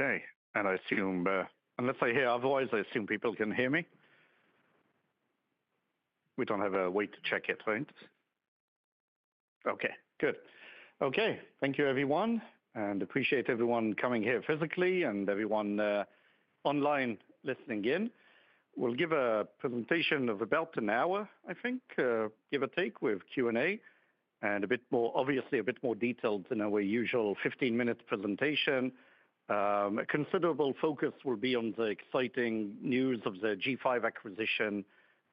Okay. I assume, unless I hear otherwise, I assume people can hear me. We do not have a way to check it, right? Okay. Good. Thank you, everyone. I appreciate everyone coming here physically and everyone online listening in. We will give a presentation of about an hour, I think, give or take, with Q&A and a bit more, obviously a bit more detailed than our usual 15-minute presentation. A considerable focus will be on the exciting news of the G5 acquisition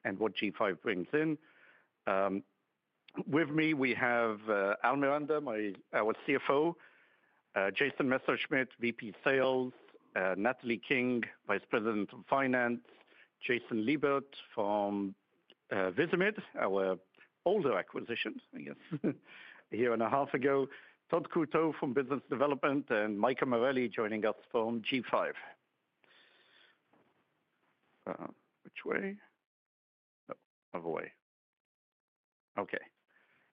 and what G5 brings in. With me, we have Al Miranda, our CFO, Jason Messerschmidt, VP Sales, Natalie King, Vice President of Finance, Jason Liebert from Visimid, our older acquisition, I guess, a year and a half ago, Todd Croteau from Business Development, and Micah Morelli joining us from G5. Which way? Oh, other way. Okay.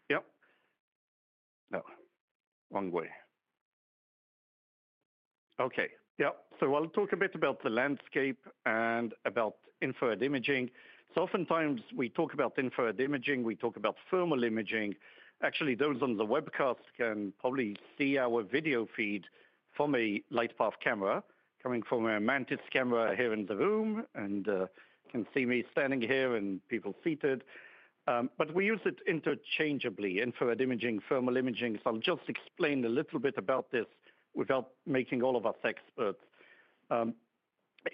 Yep. No. Wrong way. Okay. Yep. I'll talk a bit about the landscape and about infrared imaging. Oftentimes we talk about infrared imaging, we talk about thermal imaging. Actually, those on the webcast can probably see our video feed from a LightPath camera coming from a Mantis camera here in the room, and can see me standing here and people seated. We use it interchangeably, infrared imaging, thermal imaging. I'll just explain a little bit about this without making all of us experts.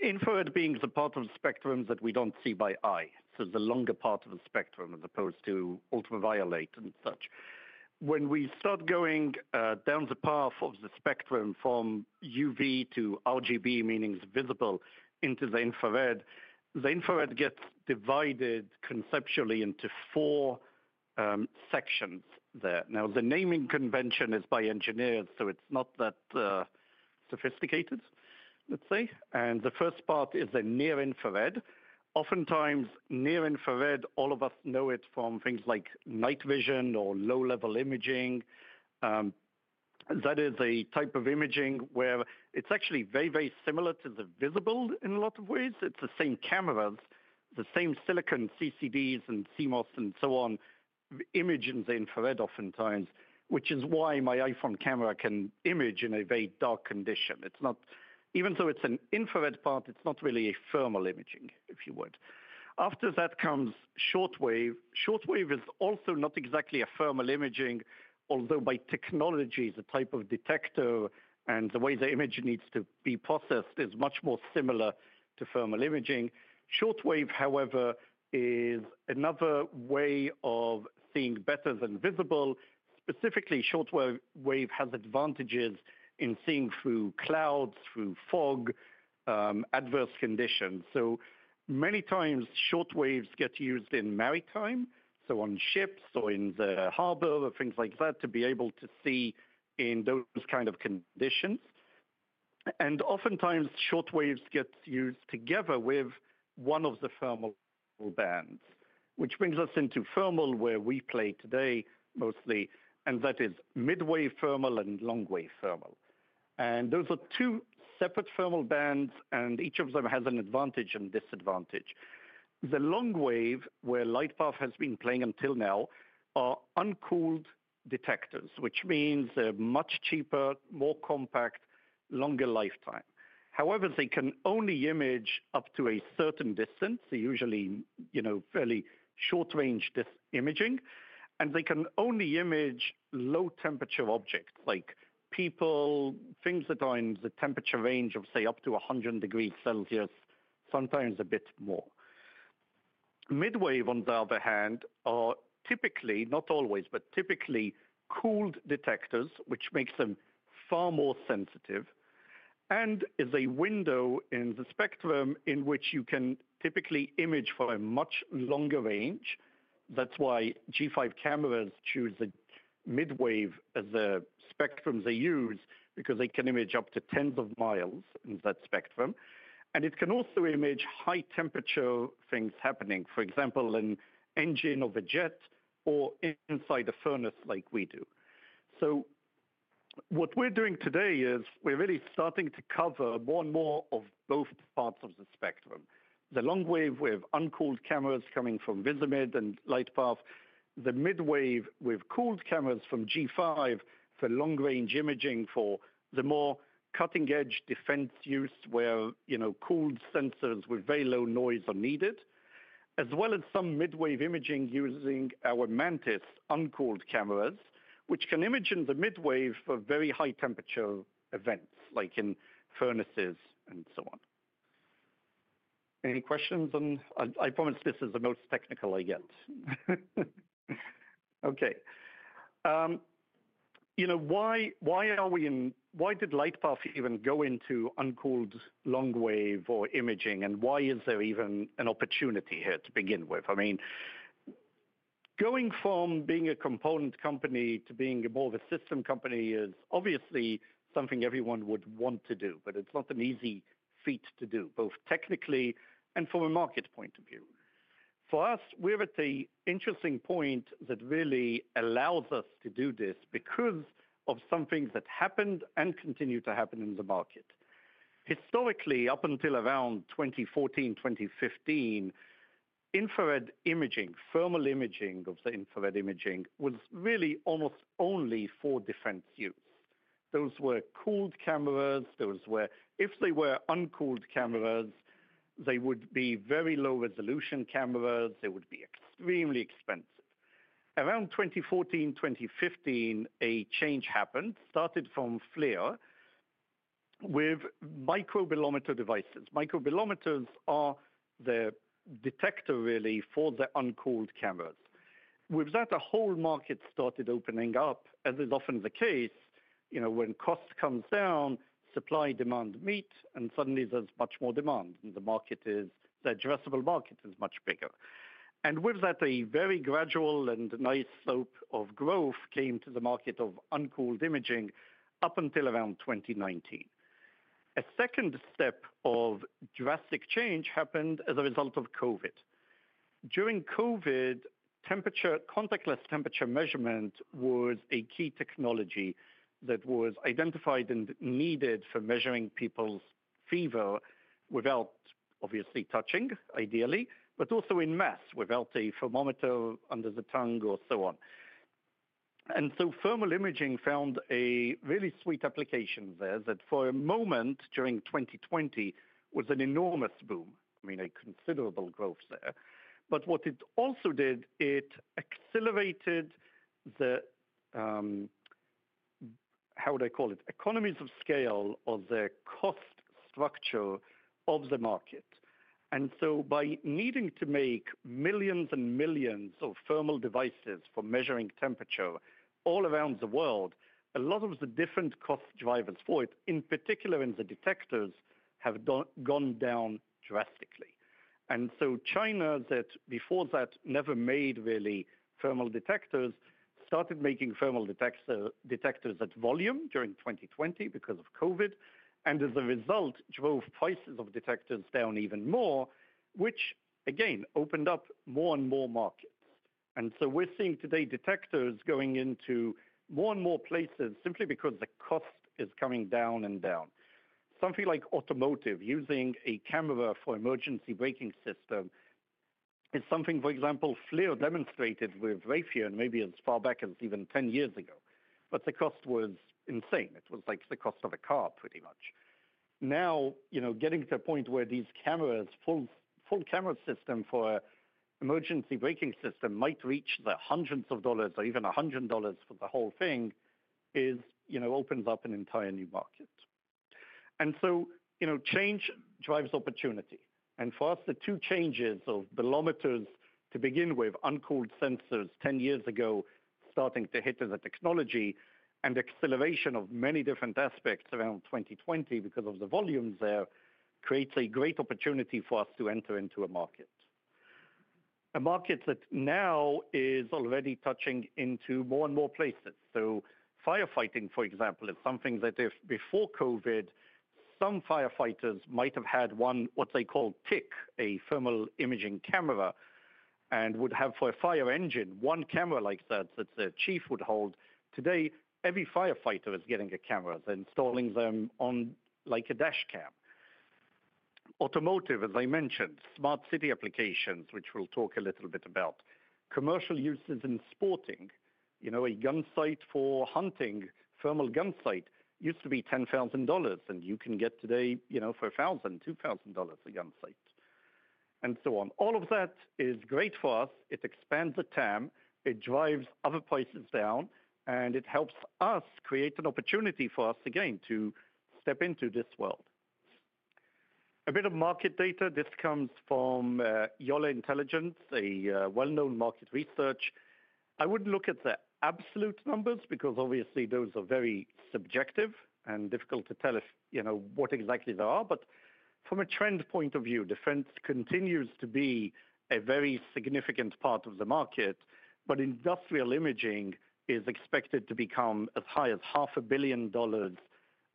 Infrared being the part of the spectrum that we don't see by eye. It's the longer part of the spectrum as opposed to ultraviolet and such. When we start going down the path of the spectrum from UV to RGB, meaning visible, into the infrared, the infrared gets divided conceptually into four sections there. The naming convention is by engineers, so it's not that sophisticated, let's say. The first part is the near infrared. Oftentimes, near infrared, all of us know it from things like night vision or low-level imaging. That is a type of imaging where it's actually very, very similar to the visible in a lot of ways. It's the same cameras, the same silicon CCDs and CMOS and so on, image in the infrared oftentimes, which is why my iPhone camera can image in a very dark condition. It's not even though it's an infrared part, it's not really a thermal imaging, if you would. After that comes shortwave. Shortwave is also not exactly a thermal imaging, although by technology, the type of detector and the way the image needs to be processed is much more similar to thermal imaging. Shortwave, however, is another way of seeing better than visible. Specifically, shortwave has advantages in seeing through clouds, through fog, adverse conditions. Many times, shortwaves get used in maritime, on ships or in the harbor or things like that, to be able to see in those kind of conditions. Oftentimes, shortwaves get used together with one of the thermal bands, which brings us into thermal where we play today mostly, and that is midwave thermal and longwave thermal. Those are two separate thermal bands, and each of them has an advantage and disadvantage. The longwave, where LightPath has been playing until now, are uncooled detectors, which means they're much cheaper, more compact, longer lifetime. However, they can only image up to a certain distance, usually, you know, fairly short-range imaging, and they can only image low-temperature objects like people, things that are in the temperature range of, say, up to 100 degrees Celsius, sometimes a bit more. Midwave, on the other hand, are typically, not always, but typically cooled detectors, which makes them far more sensitive and is a window in the spectrum in which you can typically image for a much longer range. That is why G5 cameras choose the midwave as the spectrum they use, because they can image up to tens of miles in that spectrum. It can also image high-temperature things happening, for example, an engine of a jet or inside a furnace like we do. What we are doing today is we are really starting to cover more and more of both parts of the spectrum. The longwave with uncooled cameras coming from Visimid and LightPath, the midwave with cooled cameras from G5 for long-range imaging for the more cutting-edge defense use where, you know, cooled sensors with very low noise are needed, as well as some midwave imaging using our Mantis uncooled cameras, which can image in the midwave for very high-temperature events like in furnaces and so on. Any questions on? I promise this is the most technical I get. Okay. You know, why, why are we in? Why did LightPath even go into uncooled longwave or imaging, and why is there even an opportunity here to begin with? I mean, going from being a component company to being more of a system company is obviously something everyone would want to do, but it's not an easy feat to do, both technically and from a market point of view. For us, we're at the interesting point that really allows us to do this because of something that happened and continued to happen in the market. Historically, up until around 2014, 2015, infrared imaging, thermal imaging of the infrared imaging was really almost only for defense use. Those were cooled cameras. Those were, if they were uncooled cameras, they would be very low-resolution cameras. They would be extremely expensive. Around 2014, 2015, a change happened, started from FLIR with microbolometer devices. Microbolometers are the detector, really, for the uncooled cameras. With that, the whole market started opening up, as is often the case, you know, when cost comes down, supply and demand meet, and suddenly there's much more demand, and the market is, the addressable market is much bigger. With that, a very gradual and nice slope of growth came to the market of uncooled imaging up until around 2019. A second step of drastic change happened as a result of COVID. During COVID, contactless temperature measurement was a key technology that was identified and needed for measuring people's fever without, obviously, touching, ideally, but also in mass, without a thermometer under the tongue or so on. Thermal imaging found a really sweet application there that for a moment during 2020 was an enormous boom. I mean, a considerable growth there. What it also did, it accelerated the, how would I call it, economies of scale or the cost structure of the market. By needing to make millions and millions of thermal devices for measuring temperature all around the world, a lot of the different cost drivers for it, in particular in the detectors, have gone down drastically. China, that before that never made really thermal detectors, started making thermal detectors at volume during 2020 because of COVID, and as a result, drove prices of detectors down even more, which, again, opened up more and more markets. We're seeing today detectors going into more and more places simply because the cost is coming down and down. Something like automotive using a camera for emergency braking system is something, for example, FLIR demonstrated with Raytheon maybe as far back as even 10 years ago, but the cost was insane. It was like the cost of a car, pretty much. Now, you know, getting to a point where these cameras, full, full camera system for emergency braking system might reach the hundreds of dollars or even $100 for the whole thing is, you know, opens up an entire new market. You know, change drives opportunity. For us, the two changes of bolometers to begin with, uncooled sensors 10 years ago starting to hit as a technology, and acceleration of many different aspects around 2020 because of the volume there creates a great opportunity for us to enter into a market. A market that now is already touching into more and more places. Firefighting, for example, is something that if before COVID, some firefighters might have had one, what they call TIC, a thermal imaging camera, and would have for a fire engine one camera like that that the chief would hold. Today, every firefighter is getting a camera. They're installing them on like a dashcam. Automotive, as I mentioned, smart city applications, which we'll talk a little bit about. Commercial uses in sporting, you know, a gun sight for hunting, thermal gun sight used to be $10,000, and you can get today, you know, for $1,000, $2,000 a gun sight, and so on. All of that is great for us. It expands the TAM. It drives other prices down, and it helps us create an opportunity for us again to step into this world. A bit of market data. This comes from Yole Développement, a well-known market research. I wouldn't look at the absolute numbers because obviously those are very subjective and difficult to tell if, you know, what exactly they are. From a trend point of view, defense continues to be a very significant part of the market, but industrial imaging is expected to become as high as $500,000,000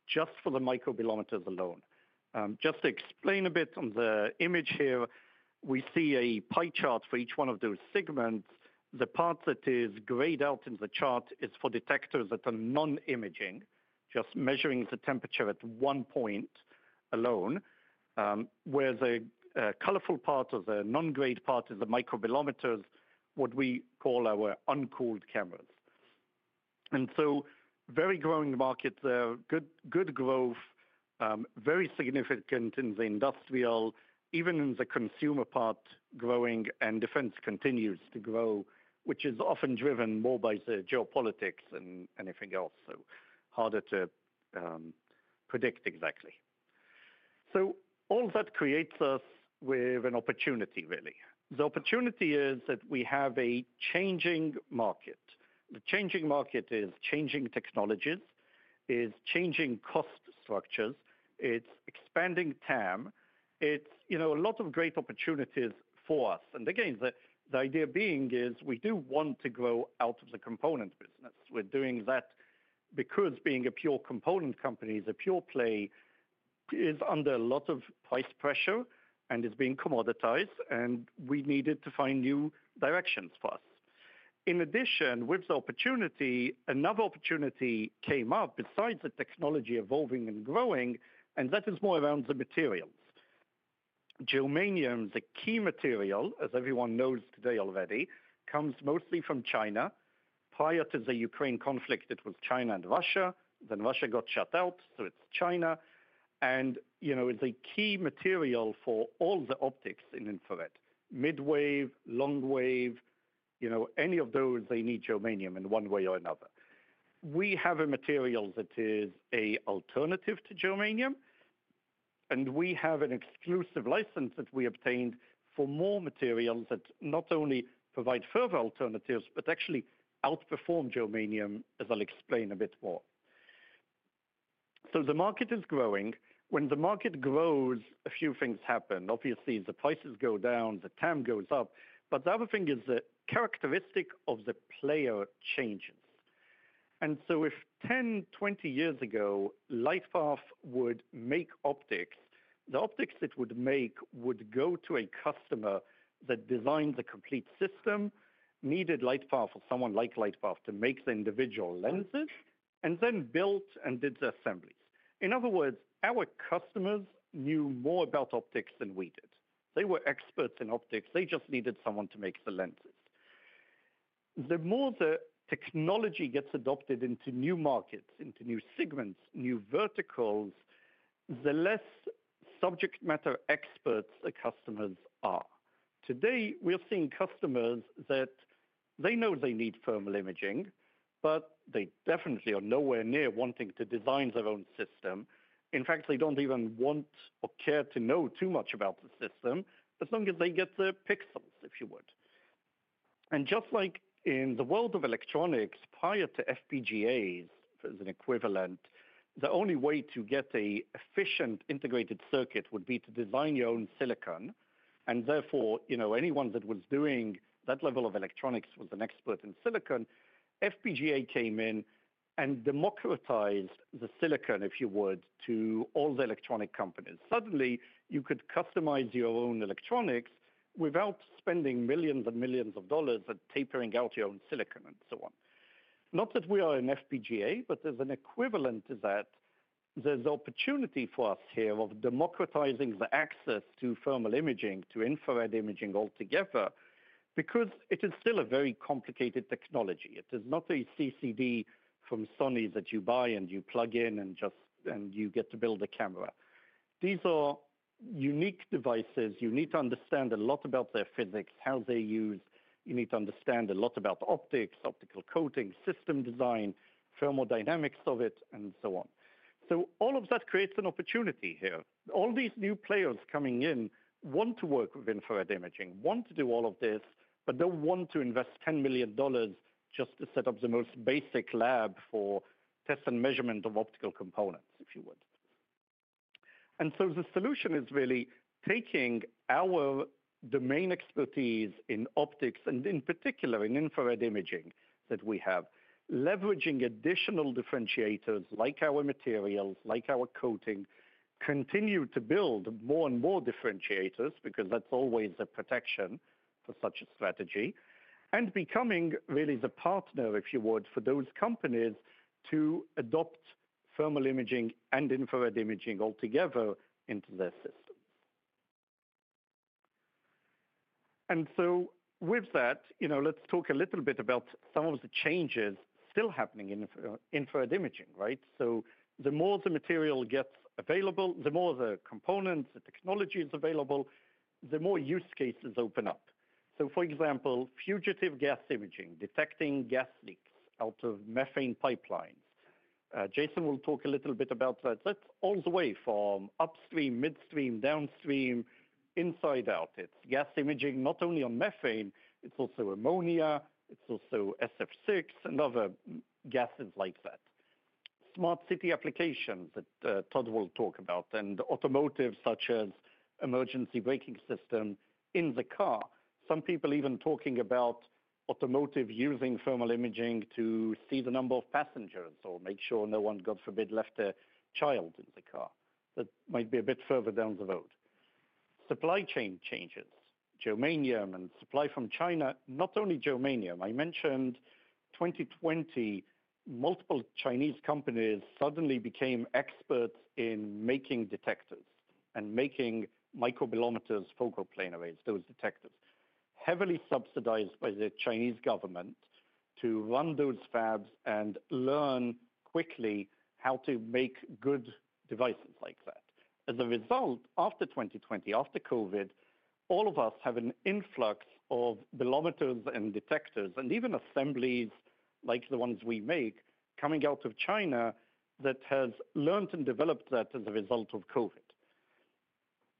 just for the microbolometers alone. Just to explain a bit on the image here, we see a pie chart for each one of those segments. The part that is grayed out in the chart is for detectors that are non-imaging, just measuring the temperature at one point alone, where the colorful part or the non-grayed part is the microbolometers, what we call our uncooled cameras. Very growing market there, good, good growth, very significant in the industrial, even in the consumer part growing, and defense continues to grow, which is often driven more by the geopolitics than anything else. Harder to predict exactly. All that creates us with an opportunity, really. The opportunity is that we have a changing market. The changing market is changing technologies, is changing cost structures, it's expanding TAM. It's, you know, a lot of great opportunities for us. The idea being is we do want to grow out of the component business. We're doing that because being a pure component company is a pure play, is under a lot of price pressure and is being commoditized, and we needed to find new directions for us. In addition, with the opportunity, another opportunity came up besides the technology evolving and growing, and that is more around the materials. Germanium, the key material, as everyone knows today already, comes mostly from China. Prior to the Ukraine conflict, it was China and Russia. Russia got shut out, so it's China. You know, it's a key material for all the optics in infrared, midwave, longwave, you know, any of those, they need germanium in one way or another. We have a material that is an alternative to germanium, and we have an exclusive license that we obtained for more materials that not only provide further alternatives, but actually outperform germanium, as I'll explain a bit more. The market is growing. When the market grows, a few things happen. Obviously, the prices go down, the TAM goes up, but the other thing is the characteristic of the player changes. If 10, 20 years ago, LightPath would make optics, the optics it would make would go to a customer that designed the complete system, needed LightPath or someone like LightPath to make the individual lenses, and then built and did the assemblies. In other words, our customers knew more about optics than we did. They were experts in optics. They just needed someone to make the lenses. The more the technology gets adopted into new markets, into new segments, new verticals, the less subject matter experts the customers are. Today, we're seeing customers that they know they need thermal imaging, but they definitely are nowhere near wanting to design their own system. In fact, they do not even want or care to know too much about the system as long as they get the pixels, if you would. Just like in the world of electronics, prior to FPGAs, as an equivalent, the only way to get an efficient integrated circuit would be to design your own silicon. Therefore, you know, anyone that was doing that level of electronics was an expert in silicon. FPGA came in and democratized the silicon, if you would, to all the electronic companies. Suddenly, you could customize your own electronics without spending millions and millions of dollars at tapering out your own silicon and so on. Not that we are an FPGA, but there's an equivalent to that. There's opportunity for us here of democratizing the access to thermal imaging, to infrared imaging altogether, because it is still a very complicated technology. It is not a CCD from Sony that you buy and you plug in and just, and you get to build a camera. These are unique devices. You need to understand a lot about their physics, how they're used. You need to understand a lot about optics, optical coating, system design, thermodynamics of it, and so on. All of that creates an opportunity here. All these new players coming in want to work with infrared imaging, want to do all of this, but do not want to invest $10 million just to set up the most basic lab for test and measurement of optical components, if you would. The solution is really taking our domain expertise in optics and in particular in infrared imaging that we have, leveraging additional differentiators like our materials, like our coating, continue to build more and more differentiators because that is always a protection for such a strategy, and becoming really the partner, if you would, for those companies to adopt thermal imaging and infrared imaging altogether into their systems. With that, you know, let's talk a little bit about some of the changes still happening in infrared imaging, right? The more the material gets available, the more the components, the technology is available, the more use cases open up. For example, fugitive gas imaging, detecting gas leaks out of methane pipelines. Jason will talk a little bit about that. That is all the way from upstream, midstream, downstream, inside out. It is gas imaging, not only on methane, it is also ammonia, it is also SF6 and other gases like that. Smart city applications that Todd will talk about, and automotive such as emergency braking system in the car. Some people even talking about automotive using thermal imaging to see the number of passengers or make sure no one, God forbid, left a child in the car. That might be a bit further down the road. Supply chain changes. Germanium and supply from China, not only germanium. I mentioned 2020, multiple Chinese companies suddenly became experts in making detectors and making microbolometers, focal plane arrays, those detectors, heavily subsidized by the Chinese government to run those fabs and learn quickly how to make good devices like that. As a result, after 2020, after COVID, all of us have an influx of bolometers and detectors and even assemblies like the ones we make coming out of China that has learned and developed that as a result of COVID.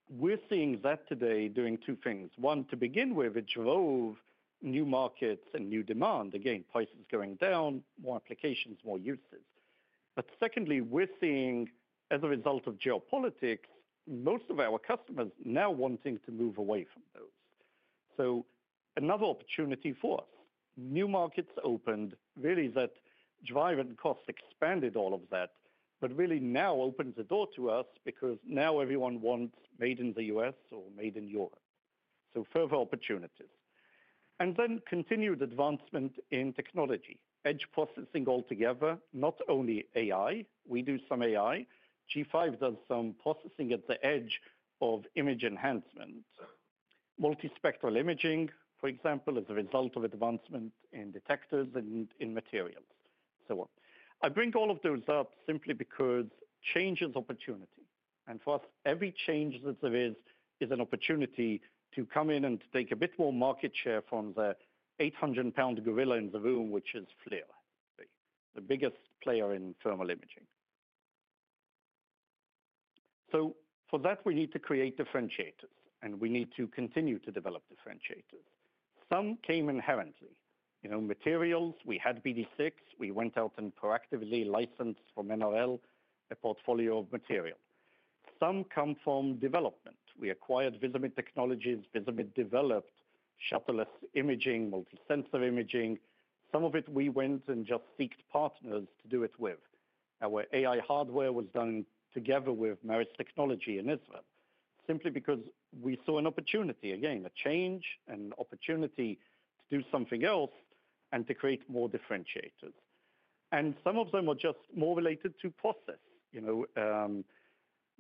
We're seeing that today doing two things. One, to begin with, it drove new markets and new demand. Again, prices going down, more applications, more uses. Secondly, we're seeing, as a result of geopolitics, most of our customers now wanting to move away from those. Another opportunity for us, new markets opened, really that drive and cost expanded all of that, but really now opens the door to us because now everyone wants made in the U.S. or made in Europe. Further opportunities. Continued advancement in technology, edge processing altogether, not only AI. We do some AI. G5 does some processing at the edge of image enhancement, multispectral imaging, for example, as a result of advancement in detectors and in materials, so on. I bring all of those up simply because change is opportunity. For us, every change that there is is an opportunity to come in and take a bit more market share from the $800 million gorilla in the room, which is FLIR, the biggest player in thermal imaging. For that, we need to create differentiators, and we need to continue to develop differentiators. Some came inherently, you know, materials. We had BD6. We went out and proactively licensed from NRL a portfolio of material. Some come from development. We acquired Visimid Technologies. Visimid developed shuttle-less imaging, multisensor imaging. Some of it we went and just seeked partners to do it with. Our AI hardware was done together with Maris Technology in Israel simply because we saw an opportunity, again, a change and opportunity to do something else and to create more differentiators. Some of them are just more related to process. You know,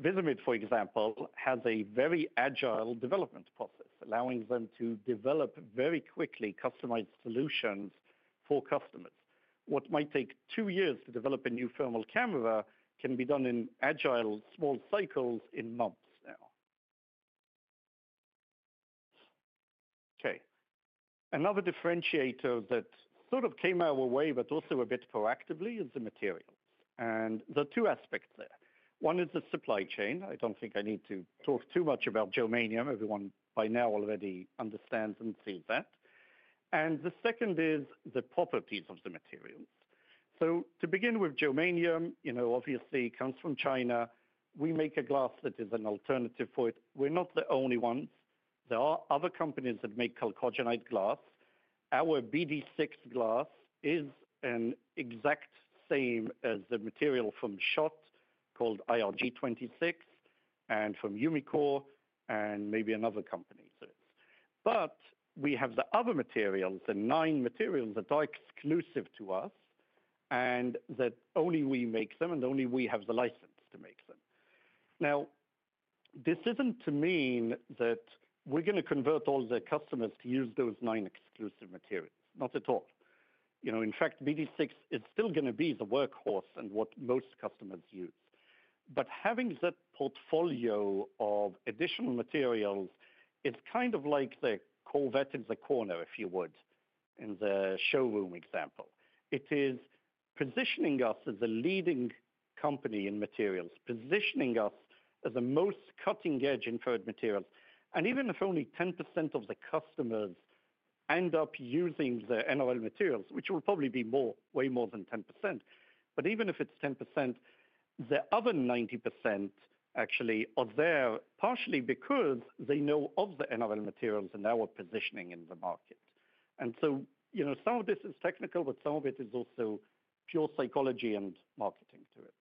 Visimid, for example, has a very agile development process, allowing them to develop very quickly customized solutions for customers. What might take two years to develop a new thermal camera can be done in agile small cycles in months now. Another differentiator that sort of came our way, but also a bit proactively, is the materials. There are two aspects there. One is the supply chain. I do not think I need to talk too much about germanium. Everyone by now already understands and sees that. The second is the properties of the materials. To begin with, germanium, you know, obviously comes from China. We make a glass that is an alternative for it. We are not the only ones. There are other companies that make chalcogenide glass. Our BD6 glass is the exact same as the material from Schott called IRG26 and from Umicore and maybe another company. We have the other materials, the nine materials that are exclusive to us and that only we make them and only we have the license to make them. This is not to mean that we are going to convert all the customers to use those nine exclusive materials. Not at all. You know, in fact, BD6 is still going to be the workhorse and what most customers use. Having that portfolio of additional materials is kind of like the Corvette in the corner, if you would, in the showroom example. It is positioning us as a leading company in materials, positioning us as the most cutting-edge infrared materials. Even if only 10% of the customers end up using the NRL materials, which will probably be more, way more than 10%, even if it's 10%, the other 90% actually are there partially because they know of the NRL materials and our positioning in the market. You know, some of this is technical, but some of it is also pure psychology and marketing to it.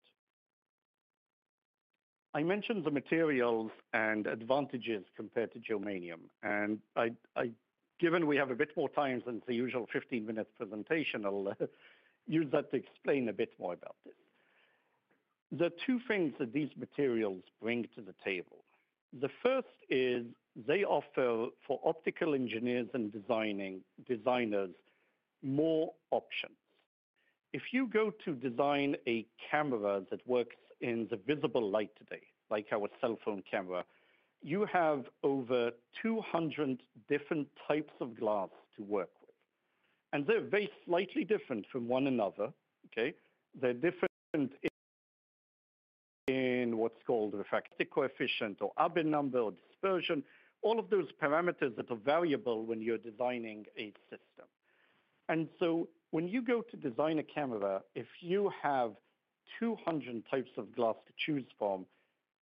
I mentioned the materials and advantages compared to germanium. I, given we have a bit more time than the usual 15-minute presentation, I'll use that to explain a bit more about this. There are two things that these materials bring to the table. The first is they offer for optical engineers and designers, more options. If you go to design a camera that works in the visible light today, like our cell phone camera, you have over 200 different types of glass to work with. And they're very slightly different from one another, okay? They're different in what's called refractive coefficient or Abbe number or dispersion, all of those parameters that are variable when you're designing a system. When you go to design a camera, if you have 200 types of glass to choose from,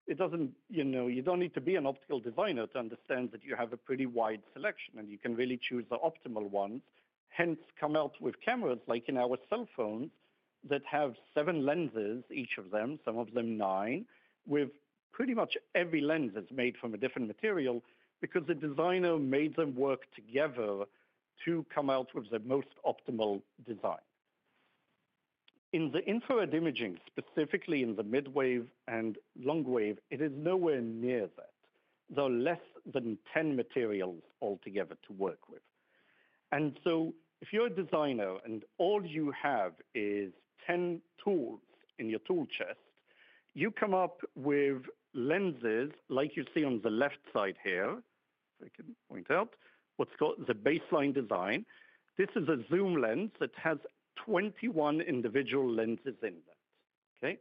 you know, you don't need to be an optical designer to understand that you have a pretty wide selection and you can really choose the optimal ones, hence come out with cameras like in our cell phones that have seven lenses, each of them, some of them nine, with pretty much every lens made from a different material because the designer made them work together to come out with the most optimal design. In the infrared imaging, specifically in the midwave and longwave, it is nowhere near that. There are less than 10 materials altogether to work with. If you're a designer and all you have is 10 tools in your tool chest, you come up with lenses like you see on the left side here, if I can point out what's called the baseline design. This is a zoom lens that has 21 individual lenses in that, okay?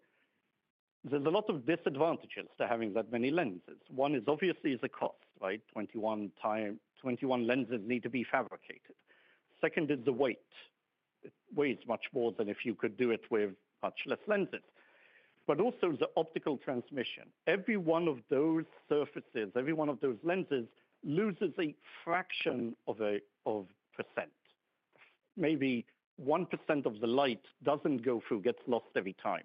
There's a lot of disadvantages to having that many lenses. One is obviously the cost, right? 21 times, 21 lenses need to be fabricated. Second is the weight. It weighs much more than if you could do it with much less lenses. Also the optical transmission. Every one of those surfaces, every one of those lenses loses a fraction of a percent. Maybe 1% of the light doesn't go through, gets lost every time.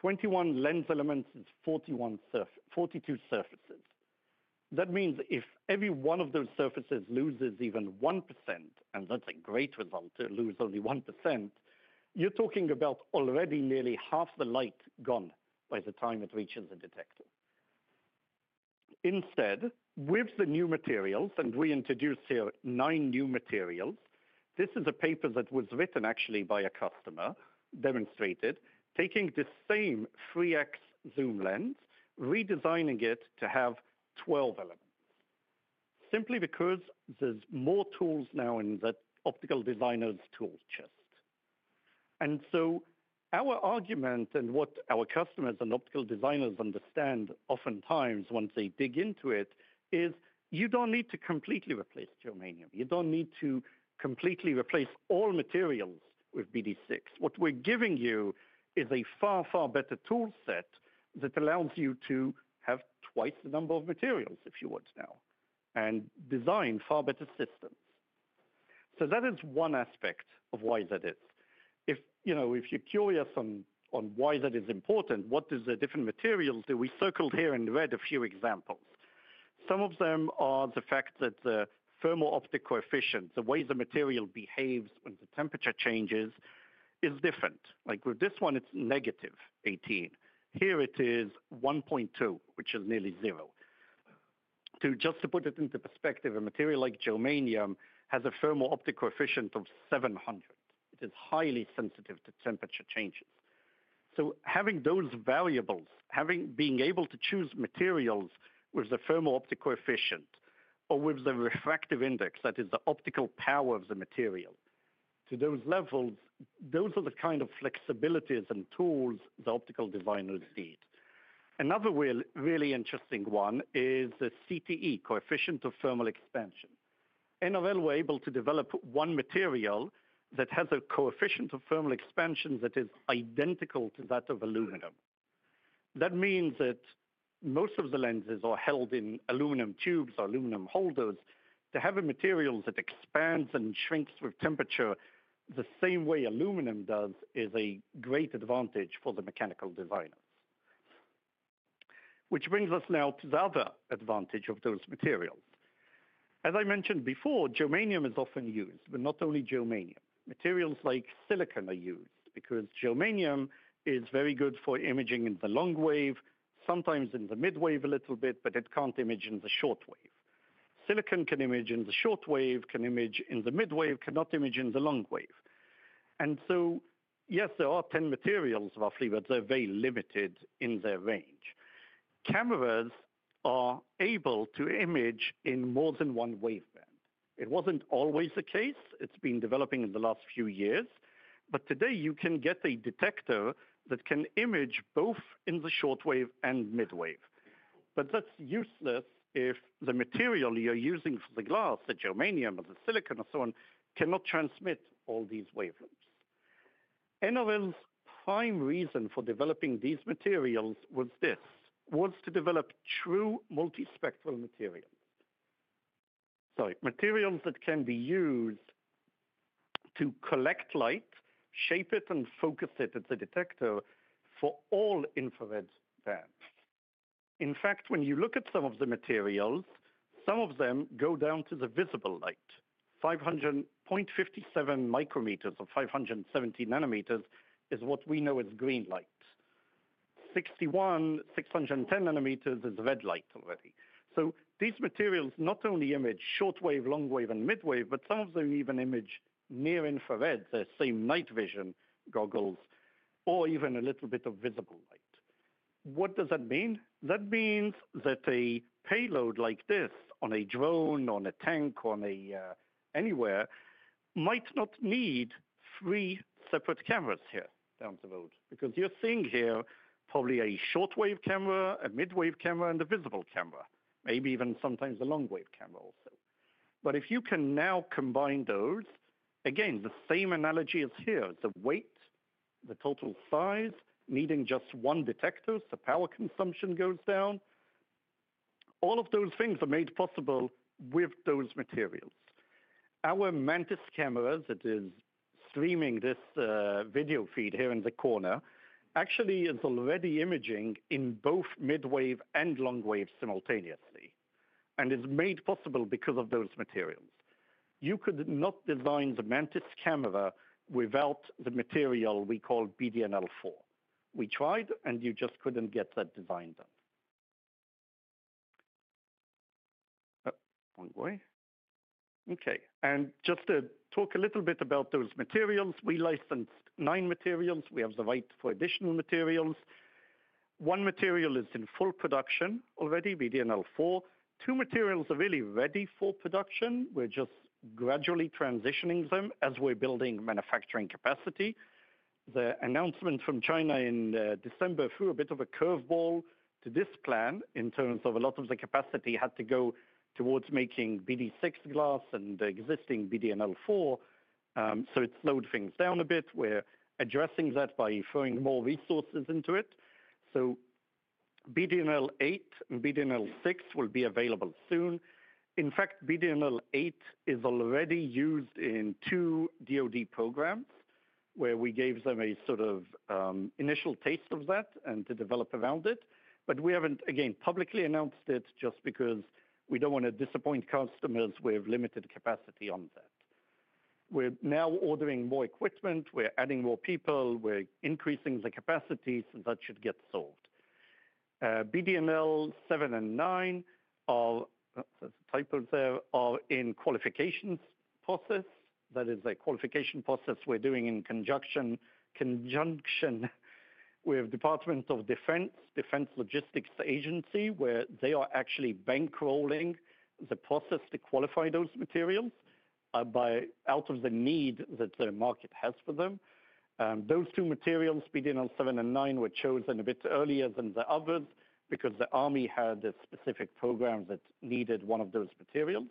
21 lens elements is 41, 42 surfaces. That means if every one of those surfaces loses even 1%, and that's a great result to lose only 1%, you're talking about already nearly half the light gone by the time it reaches a detector. Instead, with the new materials, and we introduced here nine new materials, this is a paper that was written actually by a customer, demonstrated, taking the same 3X zoom lens, redesigning it to have 12 elements. Simply because there's more tools now in the optical designer's tool chest. Our argument and what our customers and optical designers understand oftentimes once they dig into it is you don't need to completely replace germanium. You don't need to completely replace all materials with BD6. What we're giving you is a far, far better toolset that allows you to have twice the number of materials, if you would now, and design far better systems. That is one aspect of why that is. If, you know, if you're curious on why that is important, what is the different materials that we circled here in red, a few examples. Some of them are the fact that the thermal optic coefficient, the way the material behaves when the temperature changes, is different. Like with this one, it's negative 18. Here it is 1.2, which is nearly zero. To just to put it into perspective, a material like germanium has a thermal optic coefficient of 700. It is highly sensitive to temperature changes. Having those variables, having being able to choose materials with the thermal optic coefficient or with the refractive index, that is the optical power of the material to those levels, those are the kind of flexibilities and tools the optical designers need. Another really interesting one is the CTE, coefficient of thermal expansion. NRL were able to develop one material that has a coefficient of thermal expansion that is identical to that of aluminum. That means that most of the lenses are held in aluminum tubes or aluminum holders. To have a material that expands and shrinks with temperature the same way aluminum does is a great advantage for the mechanical designers. Which brings us now to the other advantage of those materials. As I mentioned before, germanium is often used, but not only germanium. Materials like silicon are used because germanium is very good for imaging in the longwave, sometimes in the midwave a little bit, but it can't image in the shortwave. Silicon can image in the shortwave, can image in the midwave, cannot image in the longwave. Yes, there are 10 materials roughly, but they're very limited in their range. Cameras are able to image in more than one waveband. It wasn't always the case. It's been developing in the last few years. Today you can get a detector that can image both in the shortwave and midwave. That's useless if the material you're using for the glass, the germanium or the silicon or so on, cannot transmit all these wavelengths. NRL's prime reason for developing these materials was this: to develop true multispectral materials. Sorry, materials that can be used to collect light, shape it, and focus it at the detector for all infrared bands. In fact, when you look at some of the materials, some of them go down to the visible light. 500.57 nanometers or 570 nanometers is what we know as green light. 61,610 nanometers is red light already. These materials not only image shortwave, longwave, and midwave, but some of them even image near infrared. They're same night vision goggles or even a little bit of visible light. What does that mean? That means that a payload like this on a drone, on a tank, on a, anywhere might not need three separate cameras here down the road because you're seeing here probably a shortwave camera, a midwave camera, and a visible camera, maybe even sometimes a longwave camera also. If you can now combine those, again, the same analogy is here. The weight, the total size, needing just one detector, the power consumption goes down. All of those things are made possible with those materials. Our Mantis cameras that is streaming this video feed here in the corner actually is already imaging in both midwave and longwave simultaneously and is made possible because of those materials. You could not design the Mantis camera without the material we call BDNL4. We tried and you just could not get that design done. Okay. Just to talk a little bit about those materials, we licensed nine materials. We have the right for additional materials. One material is in full production already, BDNL4. Two materials are really ready for production. We are just gradually transitioning them as we are building manufacturing capacity. The announcement from China in December threw a bit of a curveball to this plan in terms of a lot of the capacity had to go towards making BD6 glass and the existing BDNL4. It slowed things down a bit. We're addressing that by throwing more resources into it. BDNL8 and BDNL6 will be available soon. In fact, BDNL8 is already used in two DOD programs where we gave them a sort of initial taste of that and the developer found it. We haven't, again, publicly announced it just because we don't want to disappoint customers with limited capacity on that. We're now ordering more equipment. We're adding more people. We're increasing the capacity. That should get solved. BDNL7 and 9 are, there's a typo there, are in qualifications process. That is a qualification process we're doing in conjunction with the Department of Defense, Defense Logistics Agency, where they are actually bankrolling the process to qualify those materials by out of the need that the market has for them. Those two materials, BDNL7 and 9, were chosen a bit earlier than the others because the Army had a specific program that needed one of those materials.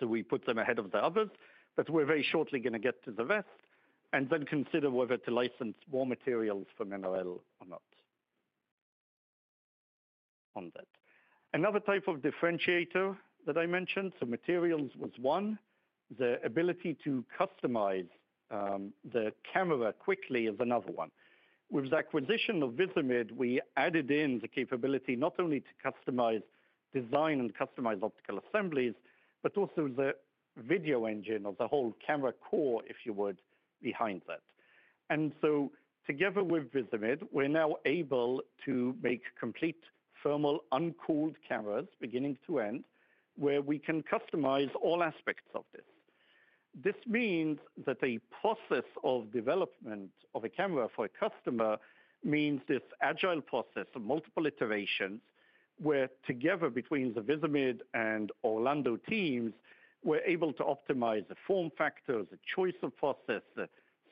We put them ahead of the others, but we're very shortly going to get to the rest and then consider whether to license more materials from NRL or not on that. Another type of differentiator that I mentioned, so materials was one. The ability to customize the camera quickly is another one. With the acquisition of Visimid, we added in the capability not only to customize design and customize optical assemblies, but also the video engine or the whole camera core, if you would, behind that. Together with Visimid, we're now able to make complete thermal uncooled cameras beginning to end where we can customize all aspects of this. This means that a process of development of a camera for a customer means this agile process of multiple iterations where together between the Visimid and Orlando teams, we're able to optimize the form factors, the choice of process, the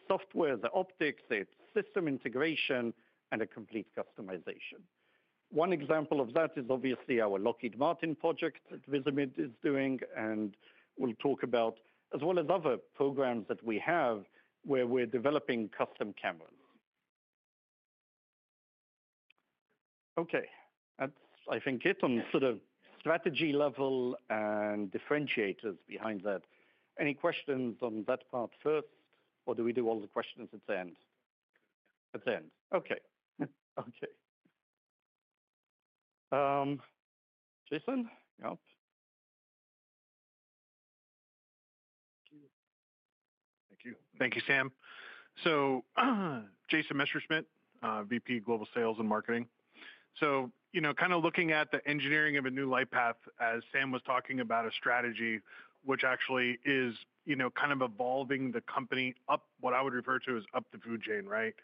software, the optics, the system integration, and a complete customization. One example of that is obviously our Lockheed Martin project that Visimid is doing and we'll talk about, as well as other programs that we have where we're developing custom cameras. Okay. That's, I think, it on sort of strategy level and differentiators behind that. Any questions on that part first, or do we do all the questions at the end? At the end. Okay. Okay. Jason? Yep. Thank you. Thank you, Sam. Jason Messerschmidt, VP Global Sales and Marketing. You know, kind of looking at the engineering of a new LightPath, as Sam was talking about a strategy which actually is, you know, kind of evolving the company up what I would refer to as up the food chain, right?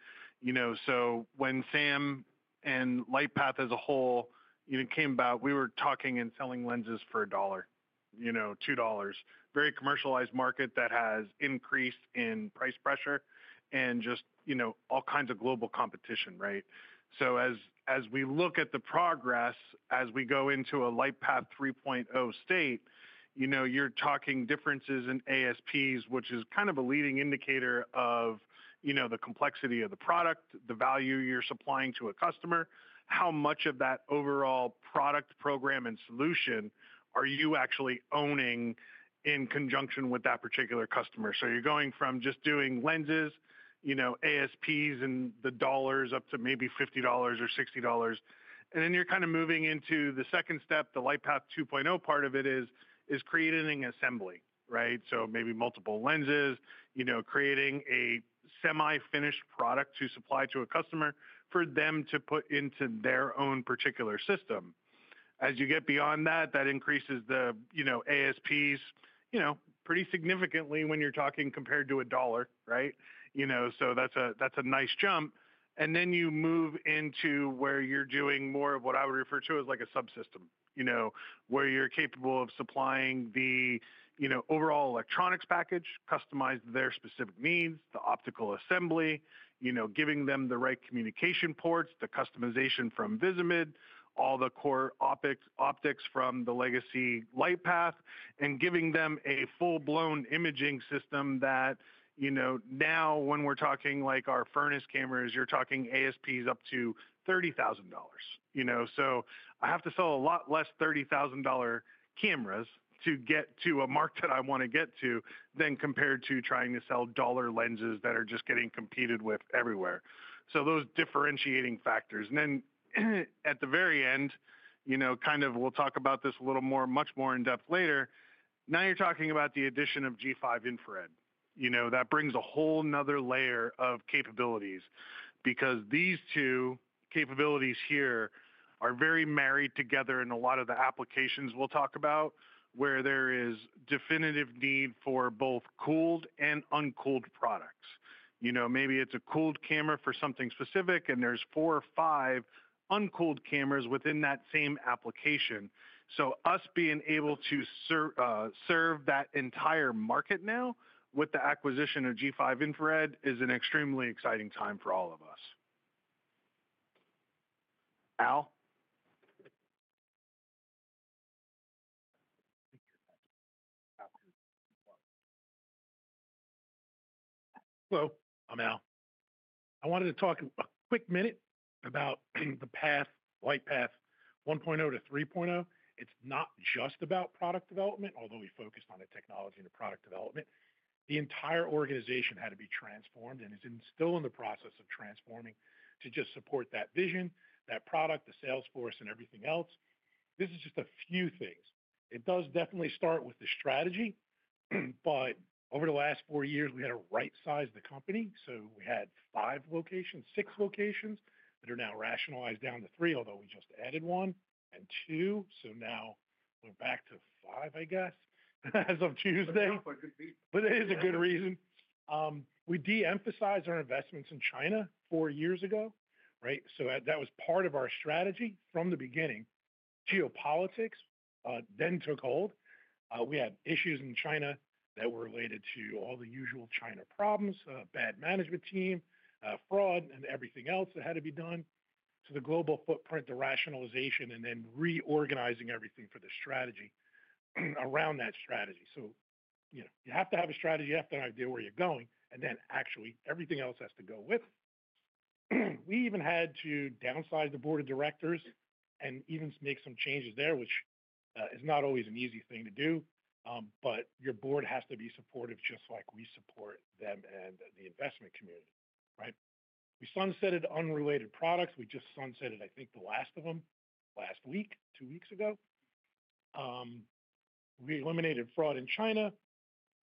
You know, so when Sam and LightPath as a whole, you know, came about, we were talking and selling lenses for a dollar, you know, $2. Very commercialized market that has increased in price pressure and just, you know, all kinds of global competition, right? As we look at the progress, as we go into a LightPath 3.0 state, you know, you're talking differences in ASPs, which is kind of a leading indicator of, you know, the complexity of the product, the value you're supplying to a customer. How much of that overall product program and solution are you actually owning in conjunction with that particular customer? You're going from just doing lenses, you know, ASPs and the dollars up to maybe $50 or $60. Then you're kind of moving into the second step, the LightPath 2.0 part of it is creating an assembly, right? Maybe multiple lenses, you know, creating a semi-finished product to supply to a customer for them to put into their own particular system. As you get beyond that, that increases the, you know, ASPs, you know, pretty significantly when you're talking compared to a dollar, right? You know, that's a nice jump. Then you move into where you're doing more of what I would refer to as like a subsystem, you know, where you're capable of supplying the, you know, overall electronics package, customize their specific needs, the optical assembly, you know, giving them the right communication ports, the customization from Visimid, all the core optics from the legacy LightPath, and giving them a full-blown imaging system that, you know, now when we're talking like our furnace cameras, you're talking ASPs up to $30,000. You know, so I have to sell a lot less $30,000 cameras to get to a mark that I want to get to than compared to trying to sell dollar lenses that are just getting competed with everywhere. Those differentiating factors. At the very end, you know, kind of we'll talk about this a little more, much more in depth later. Now you're talking about the addition of G5 Infrared. You know, that brings a whole nother layer of capabilities because these two capabilities here are very married together in a lot of the applications we'll talk about where there is definitive need for both cooled and uncooled products. You know, maybe it's a cooled camera for something specific and there's four or five uncooled cameras within that same application. Us being able to serve that entire market now with the acquisition of G5 Infrared is an extremely exciting time for all of us. Al? Hello. I'm Al. I wanted to talk a quick minute about the path, LightPath 1.0 to 3.0. It's not just about product development, although we focused on a technology and a product development. The entire organization had to be transformed and is still in the process of transforming to just support that vision, that product, the salesforce, and everything else. This is just a few things. It does definitely start with the strategy, but over the last four years, we had to right-size the company. We had five locations, six locations that are now rationalized down to three, although we just added one and two. Now we're back to five, I guess, as of Tuesday. It is a good reason. We de-emphasized our investments in China four years ago, right? That was part of our strategy from the beginning. Geopolitics then took hold. We had issues in China that were related to all the usual China problems, bad management team, fraud, and everything else that had to be done. The global footprint, the rationalization, and then reorganizing everything for the strategy around that strategy. You have to have a strategy, you have to have an idea where you're going, and then actually everything else has to go with. We even had to downsize the board of directors and even make some changes there, which is not always an easy thing to do, but your board has to be supportive just like we support them and the investment community, right? We sunsetted unrelated products. We just sunsetted, I think, the last of them last week, two weeks ago. We eliminated fraud in China.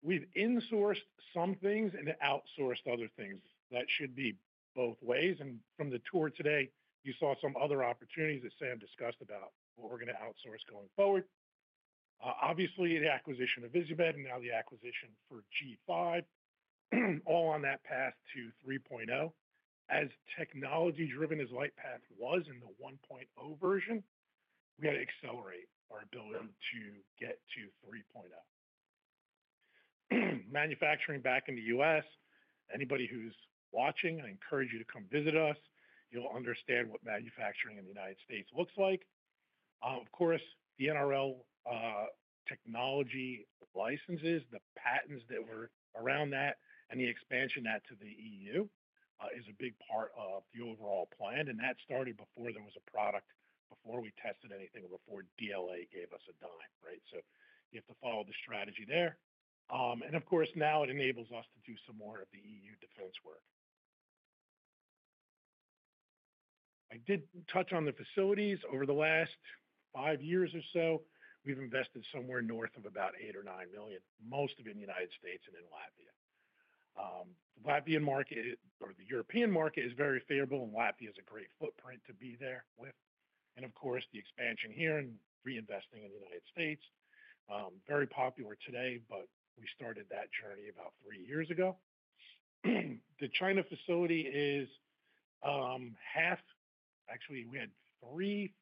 We've insourced some things and outsourced other things. That should be both ways. From the tour today, you saw some other opportunities that Sam discussed about what we're going to outsource going forward. Obviously, the acquisition of Visimid and now the acquisition for G5, all on that path to 3.0. As technology-driven as LightPath was in the 1.0 version, we had to accelerate our ability to get to 3.0. Manufacturing back in the U.S. Anybody who's watching, I encourage you to come visit us. You'll understand what manufacturing in the United States looks like. Of course, the NRL technology licenses, the patents that were around that, and the expansion that to the EU is a big part of the overall plan. That started before there was a product, before we tested anything, before DLA gave us a dime, right? You have to follow the strategy there. Of course, now it enables us to do some more of the EU defense work. I did touch on the facilities. Over the last five years or so, we've invested somewhere north of about $8 million or $9 million, most of it in the United States and in Latvia. The Latvian market or the European market is very favorable, and Latvia is a great footprint to be there with. Of course, the expansion here and reinvesting in the United States. Very popular today, but we started that journey about three years ago. The China facility is half, actually, we had three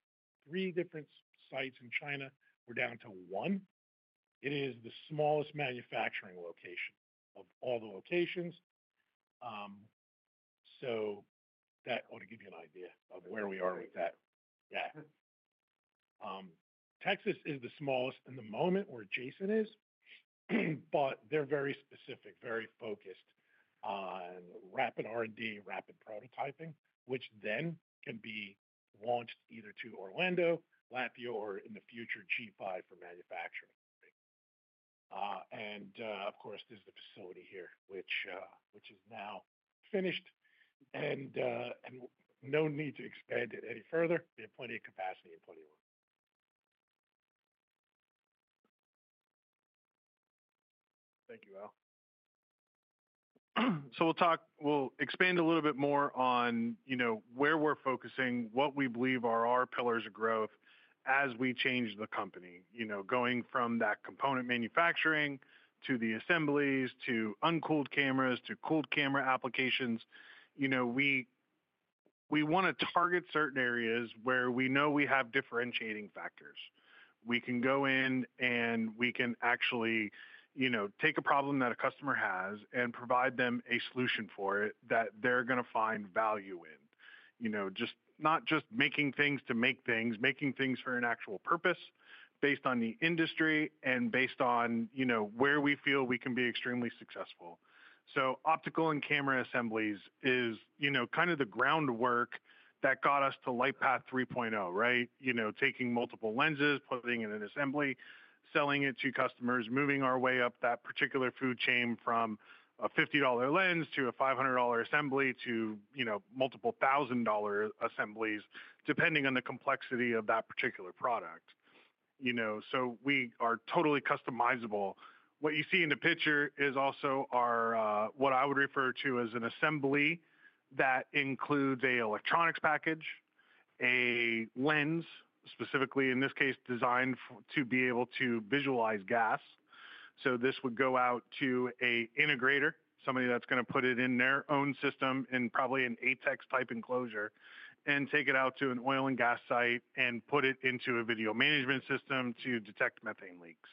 different sites in China. We're down to one. It is the smallest manufacturing location of all the locations. That ought to give you an idea of where we are with that. Yeah. Texas is the smallest in the moment where Jason is, but they're very specific, very focused on rapid R&D, rapid prototyping, which then can be launched either to Orlando, Latvia, or in the future, G5 for manufacturing equipment. Of course, there's the facility here, which is now finished and no need to expand it any further. We have plenty of capacity and plenty of room. Thank you, Al. We will talk, we will expand a little bit more on, you know, where we're focusing, what we believe are our pillars of growth as we change the company. You know, going from that component manufacturing to the assemblies to uncooled cameras to cooled camera applications. You know, we want to target certain areas where we know we have differentiating factors. We can go in and we can actually, you know, take a problem that a customer has and provide them a solution for it that they're going to find value in. You know, just not just making things to make things, making things for an actual purpose based on the industry and based on, you know, where we feel we can be extremely successful. Optical and camera assemblies is, you know, kind of the groundwork that got us to LightPath 3.0, right? You know, taking multiple lenses, putting it in an assembly, selling it to customers, moving our way up that particular food chain from a $50 lens to a $500 assembly to, you know, multiple thousand dollar assemblies, depending on the complexity of that particular product. You know, we are totally customizable. What you see in the picture is also our, what I would refer to as an assembly that includes an electronics package, a lens, specifically in this case, designed to be able to visualize gas. This would go out to an integrator, somebody that's going to put it in their own system in probably an ATEX-type enclosure and take it out to an oil and gas site and put it into a video management system to detect methane leaks.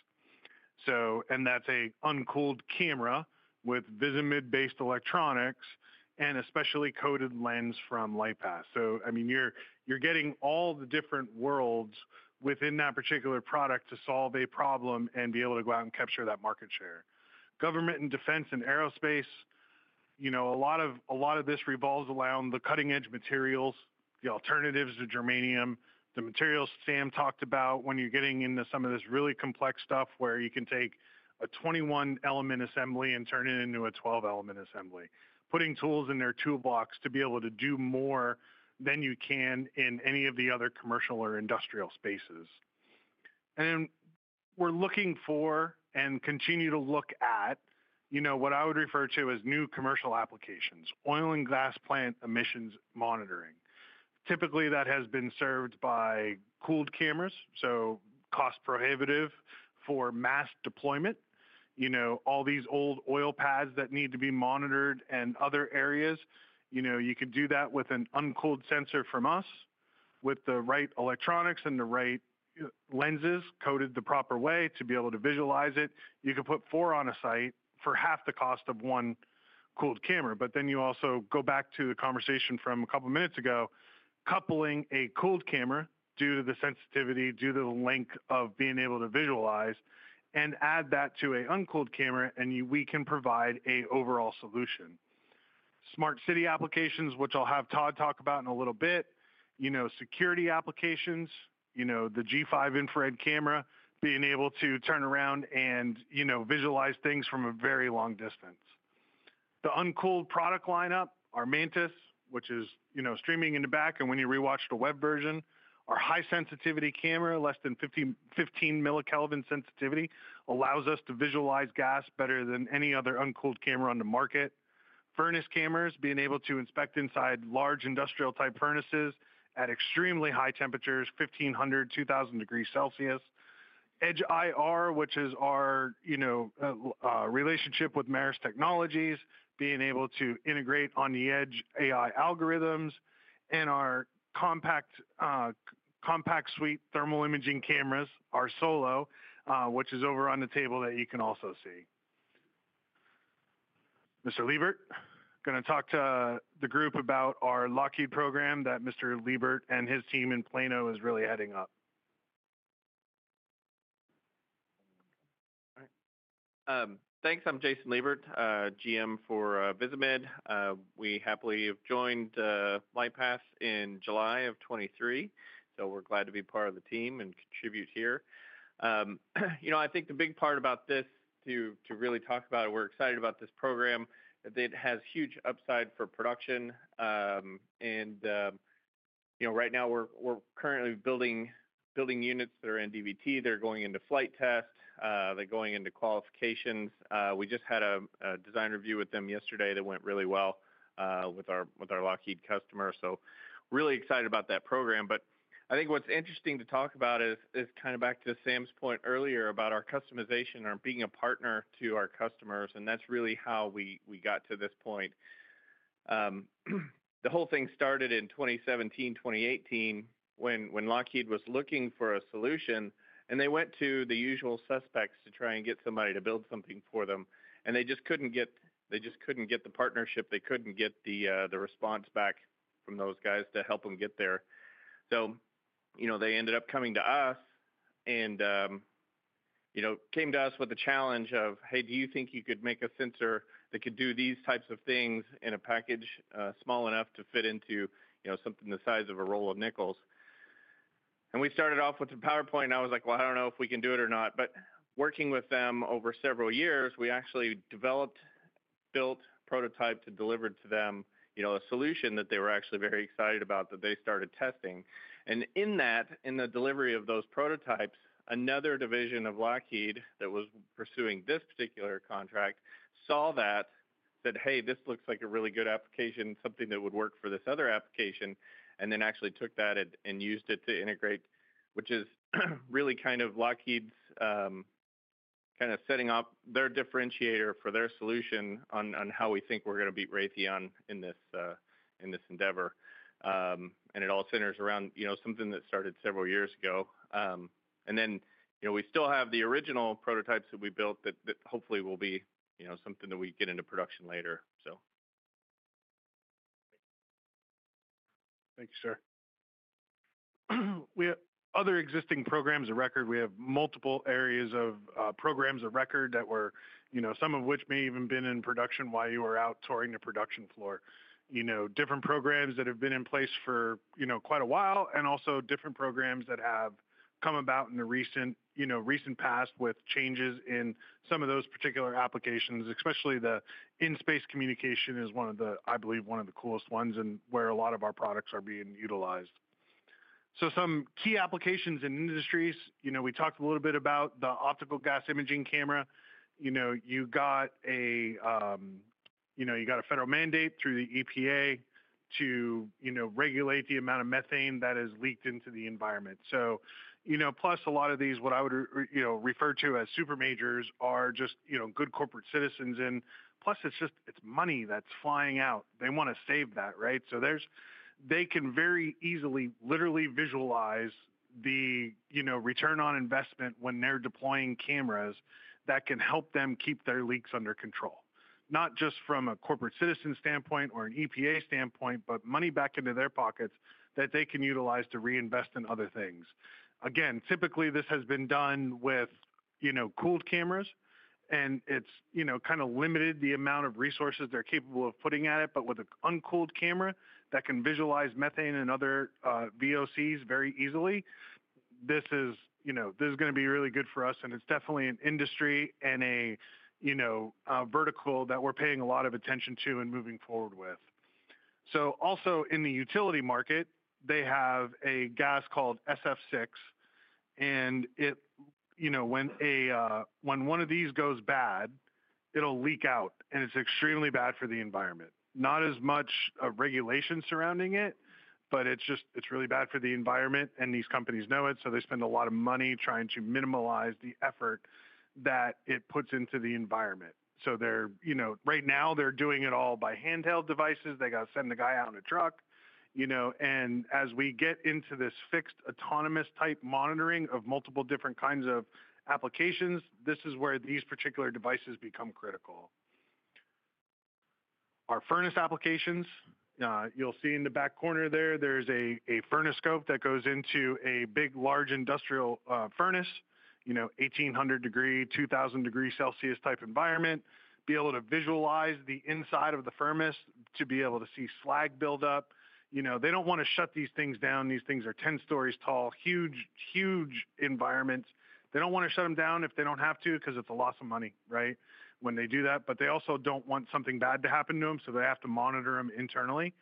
That's an uncooled camera with Visimid-based electronics and a specially coated lens from LightPath. I mean, you're getting all the different worlds within that particular product to solve a problem and be able to go out and capture that market share. Government and defense and aerospace, you know, a lot of this revolves around the cutting-edge materials, the alternatives to germanium, the materials Sam talked about when you're getting into some of this really complex stuff where you can take a 21-element assembly and turn it into a 12-element assembly, putting tools in their toolbox to be able to do more than you can in any of the other commercial or industrial spaces. We are looking for and continue to look at, you know, what I would refer to as new commercial applications, oil and gas plant emissions monitoring. Typically, that has been served by cooled cameras, so cost prohibitive for mass deployment. You know, all these old oil pads that need to be monitored and other areas, you know, you could do that with an uncooled sensor from us with the right electronics and the right lenses coated the proper way to be able to visualize it. You could put four on a site for half the cost of one cooled camera. You also go back to the conversation from a couple of minutes ago, coupling a cooled camera due to the sensitivity, due to the length of being able to visualize, and add that to an uncooled camera and we can provide an overall solution. Smart city applications, which I'll have Todd talk about in a little bit. You know, security applications, you know, the G5 Infrared camera, being able to turn around and, you know, visualize things from a very long distance. The uncooled product lineup, our Mantis, which is, you know, streaming in the back and when you rewatch the web version, our high sensitivity camera, less than 15 millikelvin sensitivity, allows us to visualize gas better than any other uncooled camera on the market. Furnace cameras, being able to inspect inside large industrial-type furnaces at extremely high temperatures, 1,500, 2,000 degrees Celsius. EdgeIR, which is our, you know, relationship with Maris Technology, being able to integrate on the edge AI algorithms and our compact suite thermal imaging cameras, our Solo, which is over on the table that you can also see. Mr. Liebert, going to talk to the group about our Lockheed program that Mr. Liebert and his team in Plano is really heading up. Thanks. I'm Jason Liebert, GM for Visimid. We happily joined LightPath in July of 2023, so we're glad to be part of the team and contribute here. You know, I think the big part about this to really talk about it, we're excited about this program, that it has huge upside for production. You know, right now we're currently building units that are in DBT. They're going into flight test. They're going into qualifications. We just had a design review with them yesterday that went really well with our Lockheed customer. Really excited about that program. I think what's interesting to talk about is kind of back to Sam's point earlier about our customization and our being a partner to our customers. That's really how we got to this point. The whole thing started in 2017, 2018 when Lockheed was looking for a solution and they went to the usual suspects to try and get somebody to build something for them. They just could not get, they just could not get the partnership. They could not get the response back from those guys to help them get there. You know, they ended up coming to us and, you know, came to us with the challenge of, "Hey, do you think you could make a sensor that could do these types of things in a package small enough to fit into, you know, something the size of a roll of nickels?" We started off with a PowerPoint. I was like, "Well, I don't know if we can do it or not." Working with them over several years, we actually developed, built prototype to deliver to them, you know, a solution that they were actually very excited about that they started testing. In the delivery of those prototypes, another division of Lockheed that was pursuing this particular contract saw that, said, "Hey, this looks like a really good application, something that would work for this other application," and then actually took that and used it to integrate, which is really kind of Lockheed's kind of setting up their differentiator for their solution on how we think we're going to beat Raytheon in this endeavor. It all centers around, you know, something that started several years ago. You know, we still have the original prototypes that we built that hopefully will be, you know, something that we get into production later. Thank you, sir. We have other existing programs of record. We have multiple areas of programs of record that were, you know, some of which may even have been in production while you were out touring the production floor. You know, different programs that have been in place for, you know, quite a while and also different programs that have come about in the recent, you know, recent past with changes in some of those particular applications, especially the in-space communication is one of the, I believe, one of the coolest ones and where a lot of our products are being utilized. Some key applications in industries, you know, we talked a little bit about the optical gas imaging camera. You know, you got a, you know, you got a federal mandate through the EPA to, you know, regulate the amount of methane that is leaked into the environment. You know, plus a lot of these, what I would, you know, refer to as super majors are just, you know, good corporate citizens and plus it's just, it's money that's flying out. They want to save that, right? They can very easily literally visualize the, you know, return on investment when they're deploying cameras that can help them keep their leaks under control. Not just from a corporate citizen standpoint or an EPA standpoint, but money back into their pockets that they can utilize to reinvest in other things. Again, typically this has been done with, you know, cooled cameras and it's, you know, kind of limited the amount of resources they're capable of putting at it. With an uncooled camera that can visualize methane and other VOCs very easily, this is, you know, this is going to be really good for us. It is definitely an industry and a, you know, vertical that we're paying a lot of attention to and moving forward with. Also in the utility market, they have a gas called SF6. When one of these goes bad, it'll leak out and it's extremely bad for the environment. Not as much regulation surrounding it, but it's just, it's really bad for the environment and these companies know it. They spend a lot of money trying to minimalize the effort that it puts into the environment. Right now they're doing it all by handheld devices. They got to send the guy out in a truck, you know. As we get into this fixed autonomous type monitoring of multiple different kinds of applications, this is where these particular devices become critical. Our furnace applications, you'll see in the back corner there, there's a furnace scope that goes into a big, large industrial furnace, you know, 1,800 degree, 2,000 degree Celsius type environment, be able to visualize the inside of the furnace to be able to see slag buildup. You know, they don't want to shut these things down. These things are 10 stories tall, huge, huge environments. They don't want to shut them down if they don't have to because it's a loss of money, right, when they do that. They also don't want something bad to happen to them. They have to monitor them internally.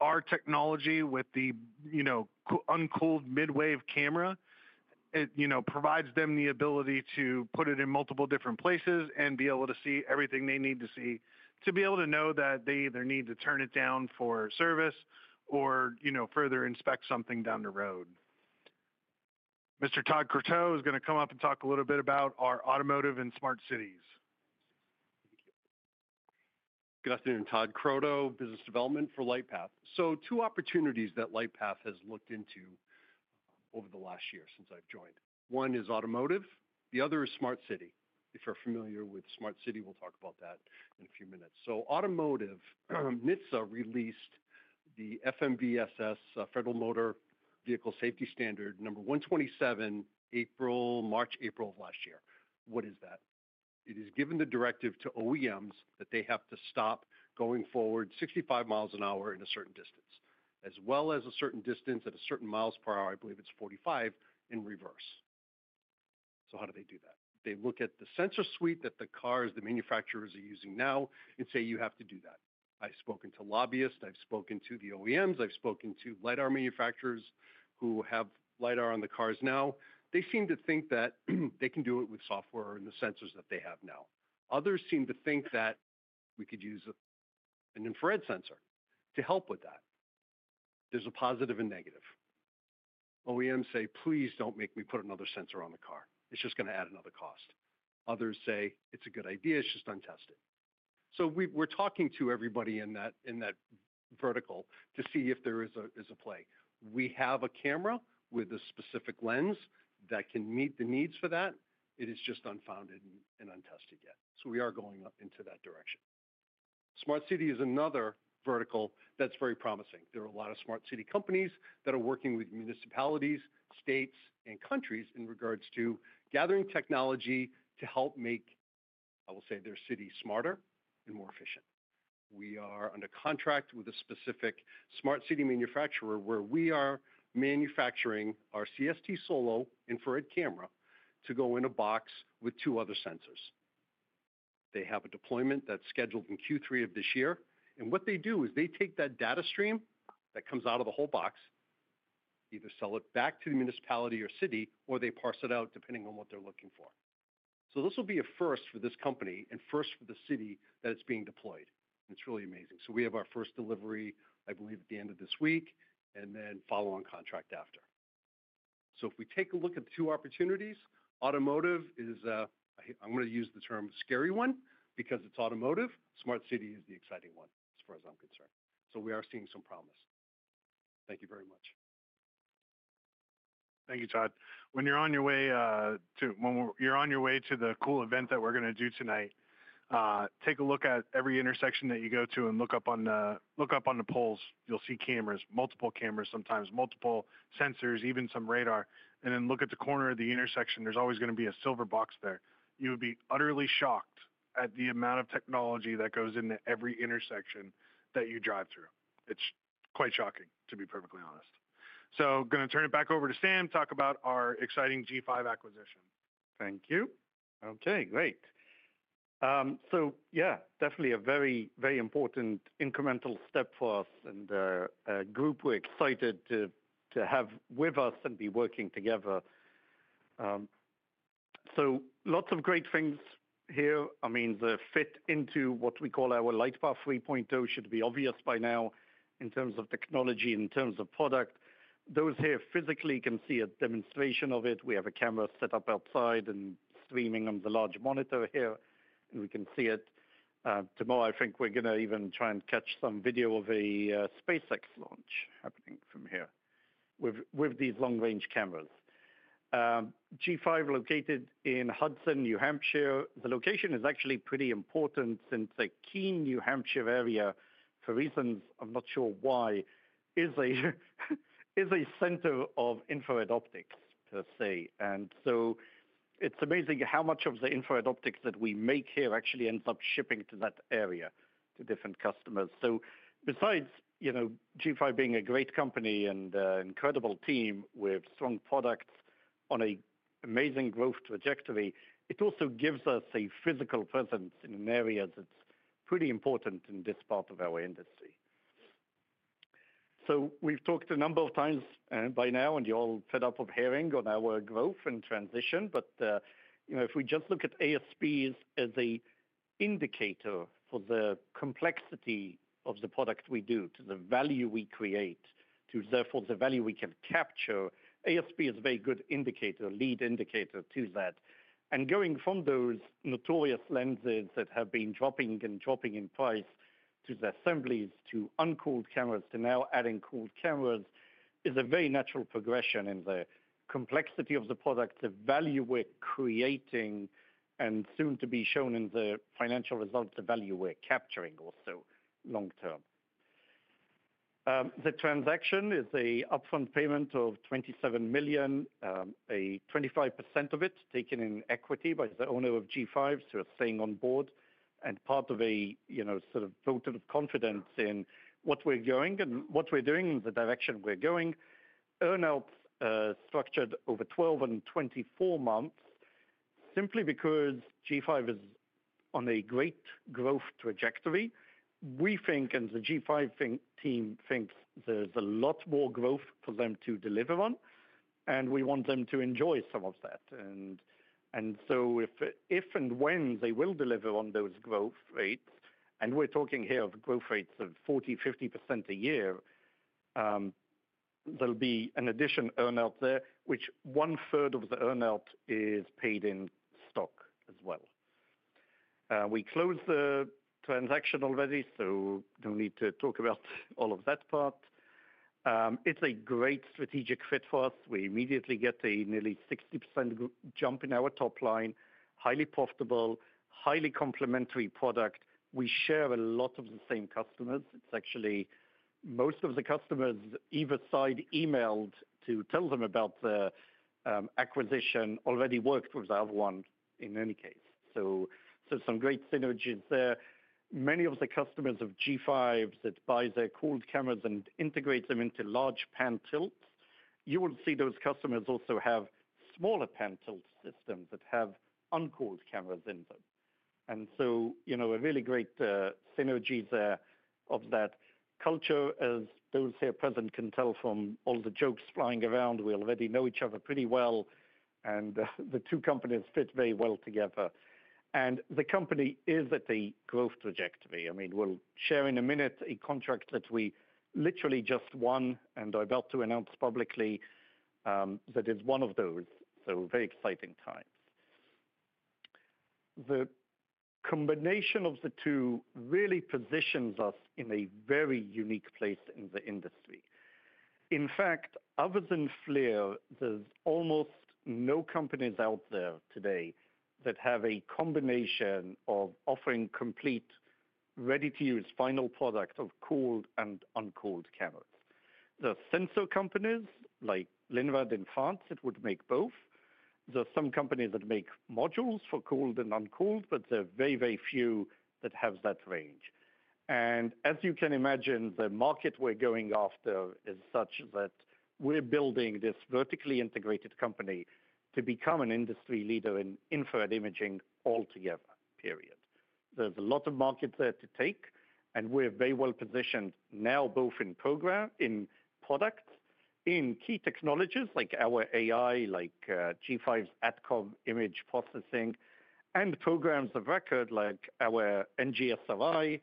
Our technology with the, you know, uncooled midwave camera, you know, provides them the ability to put it in multiple different places and be able to see everything they need to see to be able to know that they either need to turn it down for service or, you know, further inspect something down the road. Mr. Todd Croteau is going to come up and talk a little bit about our automotive and smart cities. Thank you. Good afternoon, Todd Croteau, business development for LightPath. Two opportunities that LightPath has looked into over the last year since I've joined. One is automotive. The other is smart city. If you're familiar with smart city, we'll talk about that in a few minutes. Automotive, NHTSA released the FMVSS, Federal Motor Vehicle Safety Standard number 127, April, March, April of last year. What is that? It is given the directive to OEMs that they have to stop going forward 65 miles an hour in a certain distance, as well as a certain distance at a certain miles per hour, I believe it's 45 in reverse. How do they do that? They look at the sensor suite that the cars, the manufacturers are using now and say, "You have to do that." I've spoken to lobbyists. I've spoken to the OEMs. I've spoken to LiDAR manufacturers who have LiDAR on the cars now. They seem to think that they can do it with software and the sensors that they have now. Others seem to think that we could use an infrared sensor to help with that. There's a positive and negative. OEMs say, "Please don't make me put another sensor on the car. It's just going to add another cost." Others say, "It's a good idea. It's just untested." We are talking to everybody in that vertical to see if there is a play. We have a camera with a specific lens that can meet the needs for that. It is just unfounded and untested yet. We are going into that direction. Smart city is another vertical that's very promising. There are a lot of smart city companies that are working with municipalities, states, and countries in regards to gathering technology to help make, I will say, their city smarter and more efficient. We are under contract with a specific smart city manufacturer where we are manufacturing our CST Solo infrared camera to go in a box with two other sensors. They have a deployment that's scheduled in Q3 of this year. What they do is they take that data stream that comes out of the whole box, either sell it back to the municipality or city, or they parse it out depending on what they're looking for. This will be a first for this company and first for the city that it's being deployed. It's really amazing. We have our first delivery, I believe, at the end of this week and then follow on contract after. If we take a look at the two opportunities, automotive is, I'm going to use the term scary one because it's automotive. Smart city is the exciting one as far as I'm concerned. We are seeing some promise. Thank you very much. Thank you, Todd. When you're on your way to, when you're on your way to the cool event that we're going to do tonight, take a look at every intersection that you go to and look up on the, look up on the poles. You'll see cameras, multiple cameras, sometimes multiple sensors, even some radar. Then look at the corner of the intersection. There's always going to be a silver box there. You would be utterly shocked at the amount of technology that goes into every intersection that you drive through. It's quite shocking, to be perfectly honest. I'm going to turn it back over to Sam, talk about our exciting G5 acquisition. Thank you. Okay, great. Yeah, definitely a very, very important incremental step for us and a group we're excited to have with us and be working together. Lots of great things here. I mean, the fit into what we call our LightPath 3.0 should be obvious by now in terms of technology, in terms of product. Those here physically can see a demonstration of it. We have a camera set up outside and streaming on the large monitor here. We can see it. Tomorrow, I think we're going to even try and catch some video of a SpaceX launch happening from here with these long-range cameras. G5 located in Hudson, New Hampshire. The location is actually pretty important since a key New Hampshire area for reasons I'm not sure why is a center of infrared optics per se. It's amazing how much of the infrared optics that we make here actually ends up shipping to that area to different customers. Besides, you know, G5 being a great company and an incredible team with strong products on an amazing growth trajectory, it also gives us a physical presence in an area that's pretty important in this part of our industry. We've talked a number of times by now and you're all fed up of hearing on our growth and transition. But, you know, if we just look at ASPs as an indicator for the complexity of the product we do, to the value we create, to therefore the value we can capture, ASP is a very good indicator, lead indicator to that. Going from those notorious lenses that have been dropping and dropping in price to the assemblies to uncooled cameras to now adding cooled cameras is a very natural progression in the complexity of the product, the value we're creating and soon to be shown in the financial results, the value we're capturing also long term. The transaction is an upfront payment of $27 million, 25% of it taken in equity by the owner of G5 who are staying on board and part of a, you know, sort of vote of confidence in what we're going and what we're doing in the direction we're going. Earnouts structured over 12 and 24 months simply because G5 is on a great growth trajectory. We think, and the G5 team thinks there's a lot more growth for them to deliver on. We want them to enjoy some of that. If and when they will deliver on those growth rates, and we're talking here of growth rates of 40-50% a year, there will be an additional earnout there, which one third of the earnout is paid in stock as well. We closed the transaction already, so no need to talk about all of that part. It is a great strategic fit for us. We immediately get a nearly 60% jump in our top line, highly profitable, highly complementary product. We share a lot of the same customers. Actually, most of the customers either side emailed to tell them about the acquisition already worked with the other one in any case. Some great synergies there. Many of the customers of G5's that buy their cooled cameras and integrate them into large pan tilts, you will see those customers also have smaller pan tilt systems that have uncooled cameras in them. You know, a really great synergy there of that culture as those here present can tell from all the jokes flying around. We already know each other pretty well and the two companies fit very well together. The company is at a growth trajectory. I mean, we'll share in a minute a contract that we literally just won and are about to announce publicly that is one of those. Very exciting times. The combination of the two really positions us in a very unique place in the industry. In fact, other than FLIR, there's almost no companies out there today that have a combination of offering complete ready-to-use final product of cooled and uncooled cameras. There are sensor companies like Lynred in France that would make both. There are some companies that make modules for cooled and uncooled, but there are very, very few that have that range. As you can imagine, the market we're going after is such that we're building this vertically integrated company to become an industry leader in infrared imaging altogether, period. There's a lot of market there to take and we're very well positioned now both in program, in product, in key technologies like our AI, like G5's ATCOM image processing, and programs of record like our NGSRI,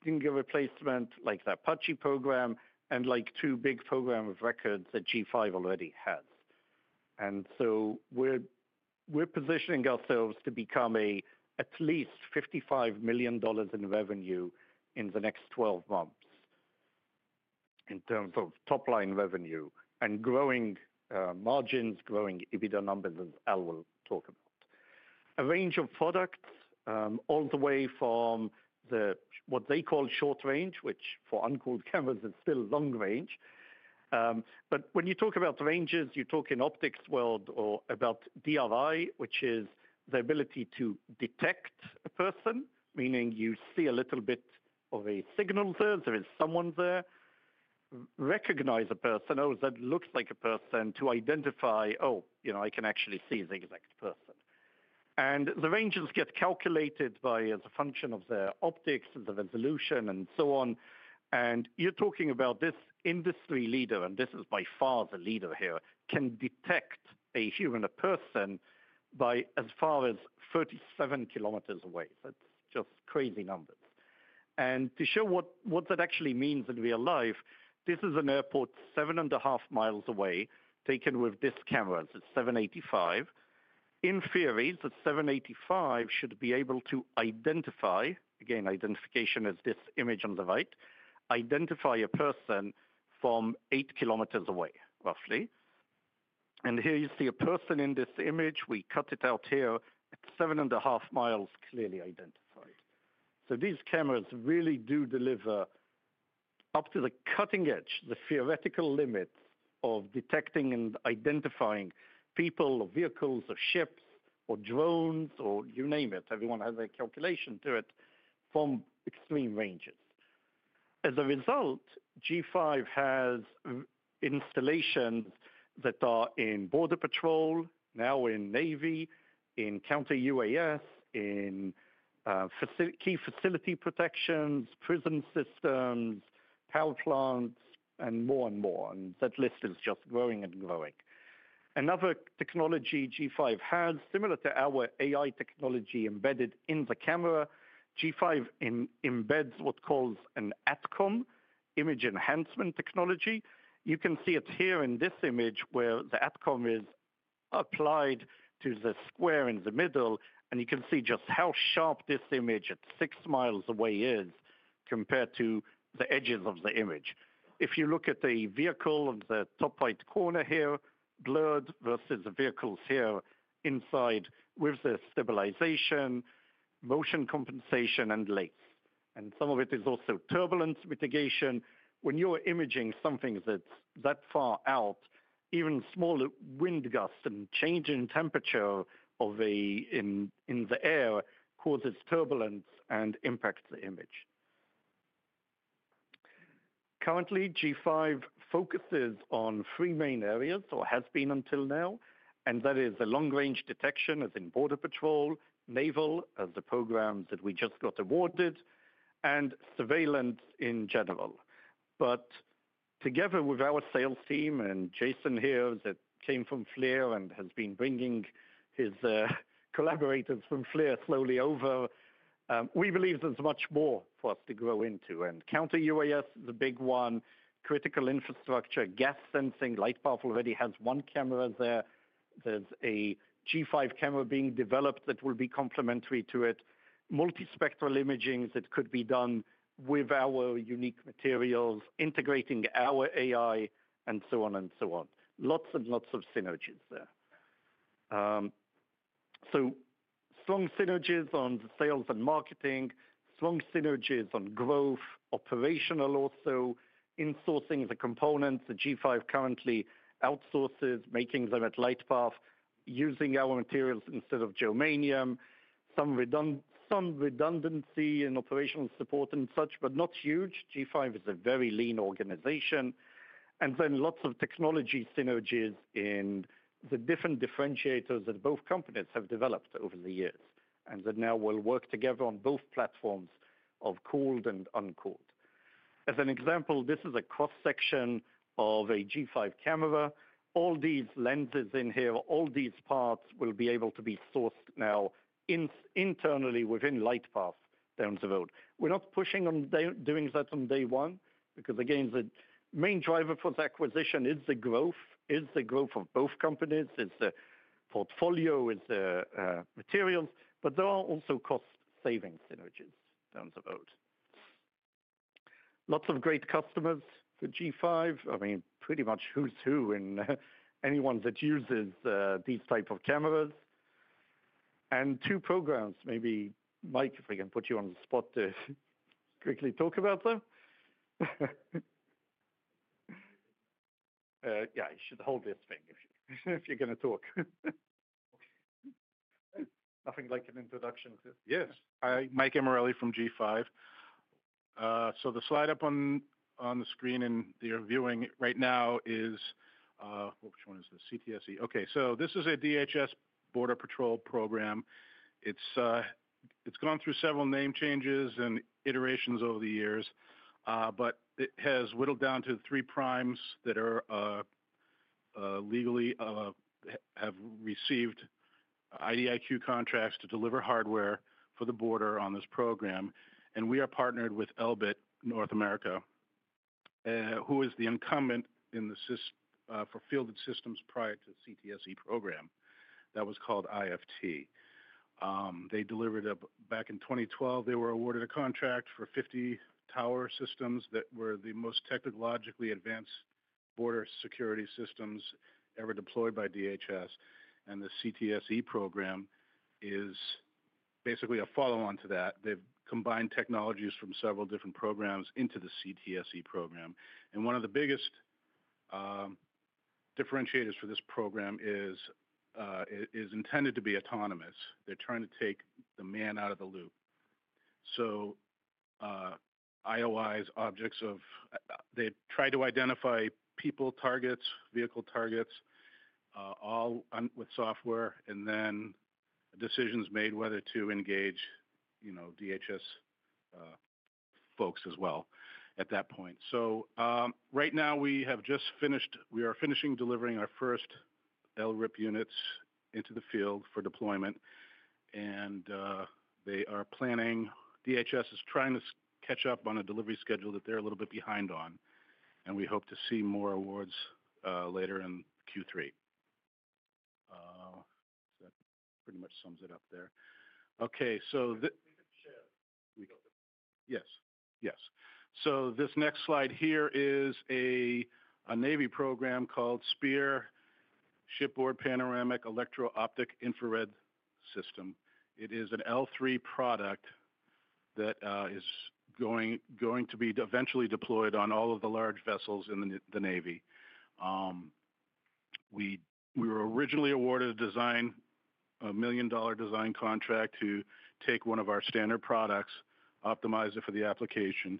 stinger replacement, like the Apache program, and like two big programs of records that G5 already has. We're positioning ourselves to become at least $55 million in revenue in the next 12 months in terms of top line revenue and growing margins, growing EBITDA numbers as Al will talk about. A range of products all the way from what they call short range, which for uncooled cameras is still long range. When you talk about ranges, you talk in optics world or about DRI, which is the ability to detect a person, meaning you see a little bit of a signal there. There is someone there. Recognize a person, oh, that looks like a person to identify, oh, you know, I can actually see the exact person. The ranges get calculated by as a function of the optics, the resolution, and so on. You're talking about this industry leader, and this is by far the leader here, can detect a human person by as far as 37 kilometers away. That's just crazy numbers. To show what that actually means in real life, this is an airport seven and a half miles away taken with this camera. It's 785. In theory, the 785 should be able to identify, again, identification is this image on the right, identify a person from eight kilometers away, roughly. Here you see a person in this image. We cut it out here. It's seven and a half miles clearly identified. These cameras really do deliver up to the cutting edge, the theoretical limits of detecting and identifying people or vehicles or ships or drones or you name it. Everyone has a calculation to it from extreme ranges. As a result, G5 has installations that are in Border Patrol, now in Navy, in Counter UAS, in key facility protections, prison systems, power plants, and more and more. That list is just growing and growing. Another technology G5 has, similar to our AI technology embedded in the camera, G5 embeds what it calls an ATCOM image enhancement technology. You can see it here in this image where the ATCOM is applied to the square in the middle. You can see just how sharp this image at 6 mi away is compared to the edges of the image. If you look at the vehicle in the top right corner here, blurred versus the vehicles here inside with the stabilization, motion compensation, and lathe. Some of it is also turbulence mitigation. When you're imaging something that's that far out, even smaller wind gusts and change in temperature in the air causes turbulence and impacts the image. Currently, G5 focuses on three main areas or has been until now. That is long range detection as in Border Patrol, Naval as the programs that we just got awarded, and surveillance in general. Together with our sales team and Jason here that came from FLIR and has been bringing his collaborators from FLIR slowly over, we believe there's much more for us to grow into. Counter UAS is a big one, critical infrastructure, gas sensing. LightPath already has one camera there. There's a G5 camera being developed that will be complementary to it. Multi-spectral imaging that could be done with our unique materials, integrating our AI and so on and so on. Lots and lots of synergies there. Strong synergies on sales and marketing, strong synergies on growth, operational also, in sourcing the components that G5 currently outsources, making them at LightPath, using our materials instead of germanium, some redundancy in operational support and such, but not huge. G5 is a very lean organization. Then lots of technology synergies in the different differentiators that both companies have developed over the years and that now will work together on both platforms of cooled and uncooled. As an example, this is a cross-section of a G5 camera. All these lenses in here, all these parts will be able to be sourced now internally within LightPath down the road. We're not pushing on doing that on day one because, again, the main driver for the acquisition is the growth, is the growth of both companies, is the portfolio, is the materials, but there are also cost savings synergies down the road. Lots of great customers for G5. I mean, pretty much who's who in anyone that uses these types of cameras. And two programs, maybe Mike, if we can put you on the spot to quickly talk about them. Yeah, you should hold this thing if you're going to talk. Nothing like an introduction to. Yes Micah Morelli from G5. So the slide up on the screen and you're viewing right now is, which one is the CTSE? Okay, so this is a DHS Border Patrol program. It's gone through several name changes and iterations over the years, but it has whittled down to the three primes that are legally have received IDIQ contracts to deliver hardware for the border on this program. We are partnered with Elbit North America, who is the incumbent in the fielded systems prior to the CTSE program that was called IFT. They delivered back in 2012, they were awarded a contract for 50 tower systems that were the most technologically advanced border security systems ever deployed by DHS. The CTSE program is basically a follow-on to that. They've combined technologies from several different programs into the CTSE program. One of the biggest differentiators for this program is intended to be autonomous. They're trying to take the man out of the loop. IOIs, objects of they try to identify people, targets, vehicle targets, all with software, and then decisions made whether to engage, you know, DHS folks as well at that point. Right now we have just finished, we are finishing delivering our first LRIP units into the field for deployment. They are planning, DHS is trying to catch up on a delivery schedule that they're a little bit behind on. We hope to see more awards later in Q3. That pretty much sums it up there. Okay, yes, yes. This next slide here is a Navy program called SPEAR, Shipboard Panoramic Electro-Optic Infrared System. It is an L3Harris product that is going to be eventually deployed on all of the large vessels in the Navy. We were originally awarded a design, a $1 million design contract to take one of our standard products, optimize it for the application.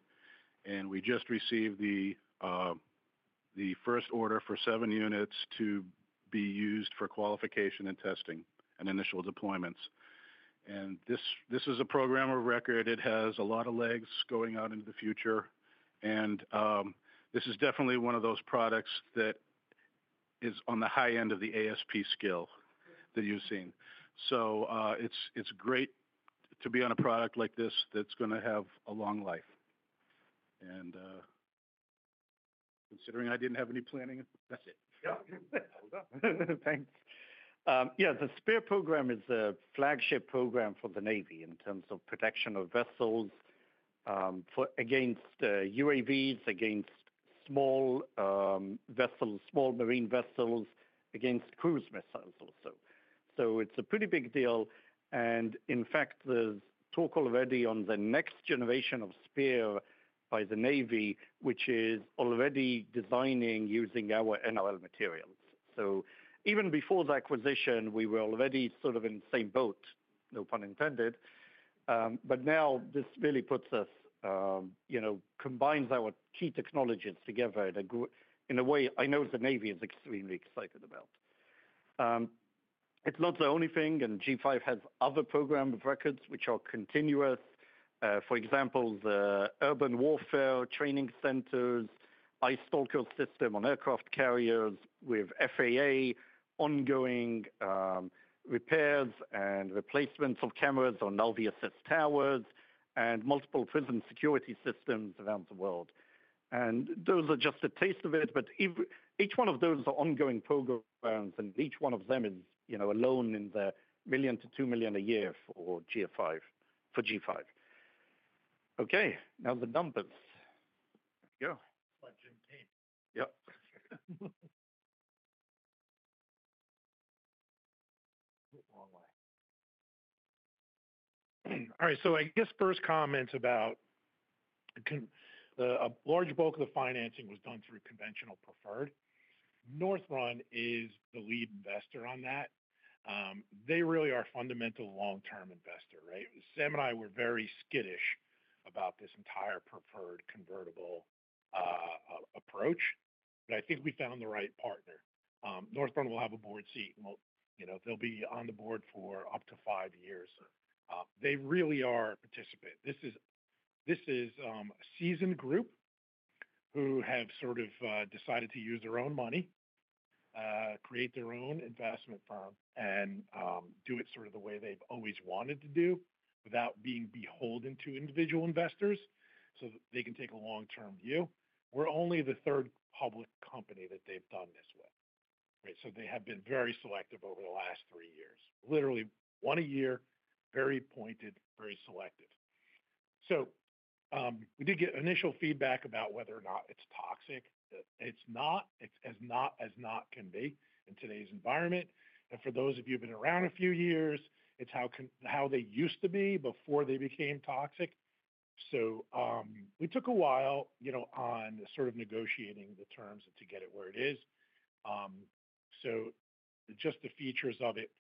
We just received the first order for seven units to be used for qualification and testing and initial deployments. This is a program of record. It has a lot of legs going out into the future. This is definitely one of those products that is on the high end of the ASP scale that you've seen. It is great to be on a product like this that's going to have a long life. Considering I didn't have any planning, that's it. Thanks. The SPEAR program is a flagship program for the Navy in terms of protection of vessels against UAVs, against small vessels, small marine vessels, against cruise missiles also. It is a pretty big deal. In fact, there's talk already on the next generation of SPEAR by the Navy, which is already designing using our NOL materials. Even before the acquisition, we were already sort of in the same boat, no pun intended. Now this really puts us, you know, combines our key technologies together in a way I know the Navy is extremely excited about. It's not the only thing, and G5 has other programs of record which are continuous. For example, the urban warfare training centers, ICE Stalker system on aircraft carriers with FAA, ongoing repairs and replacements of cameras on NOLVIASS towers, and multiple prison security systems around the world. Those are just a taste of it, but each one of those are ongoing programs, and each one of them is, you know, alone in the $1 million-$2 million a year for G5, for G5. Okay, now the numbers. There you go. All right, so I guess first comment about a large bulk of the financing was done through conventional preferred. Northrun is the lead investor on that. They really are a fundamental long-term investor, right? Sam and I were very skittish about this entire preferred convertible approach, but I think we found the right partner. Northrun will have a board seat. You know, they'll be on the board for up to five years. They really are a participant. This is a seasoned group who have sort of decided to use their own money, create their own investment firm, and do it sort of the way they've always wanted to do without being beholden to individual investors so that they can take a long-term view. We're only the third public company that they've done this with, right? They have been very selective over the last three years. Literally one a year, very pointed, very selective. We did get initial feedback about whether or not it's toxic. It's not, it's as not as not can be in today's environment. For those of you who've been around a few years, it's how they used to be before they became toxic. We took a while, you know, on sort of negotiating the terms to get it where it is. Just the features of it.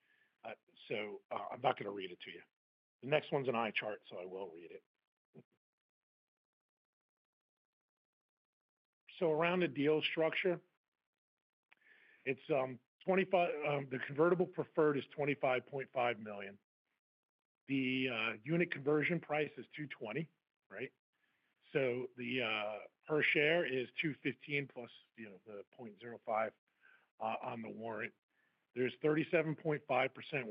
I'm not going to read it to you. The next one's an eye chart, so I will read it. Around the deal structure, it's $25 million, the convertible preferred is $25.5 million. The unit conversion price is $2.20, right? The per share is $2.15 plus, you know, the $0.05 on the warrant. There's 37.5%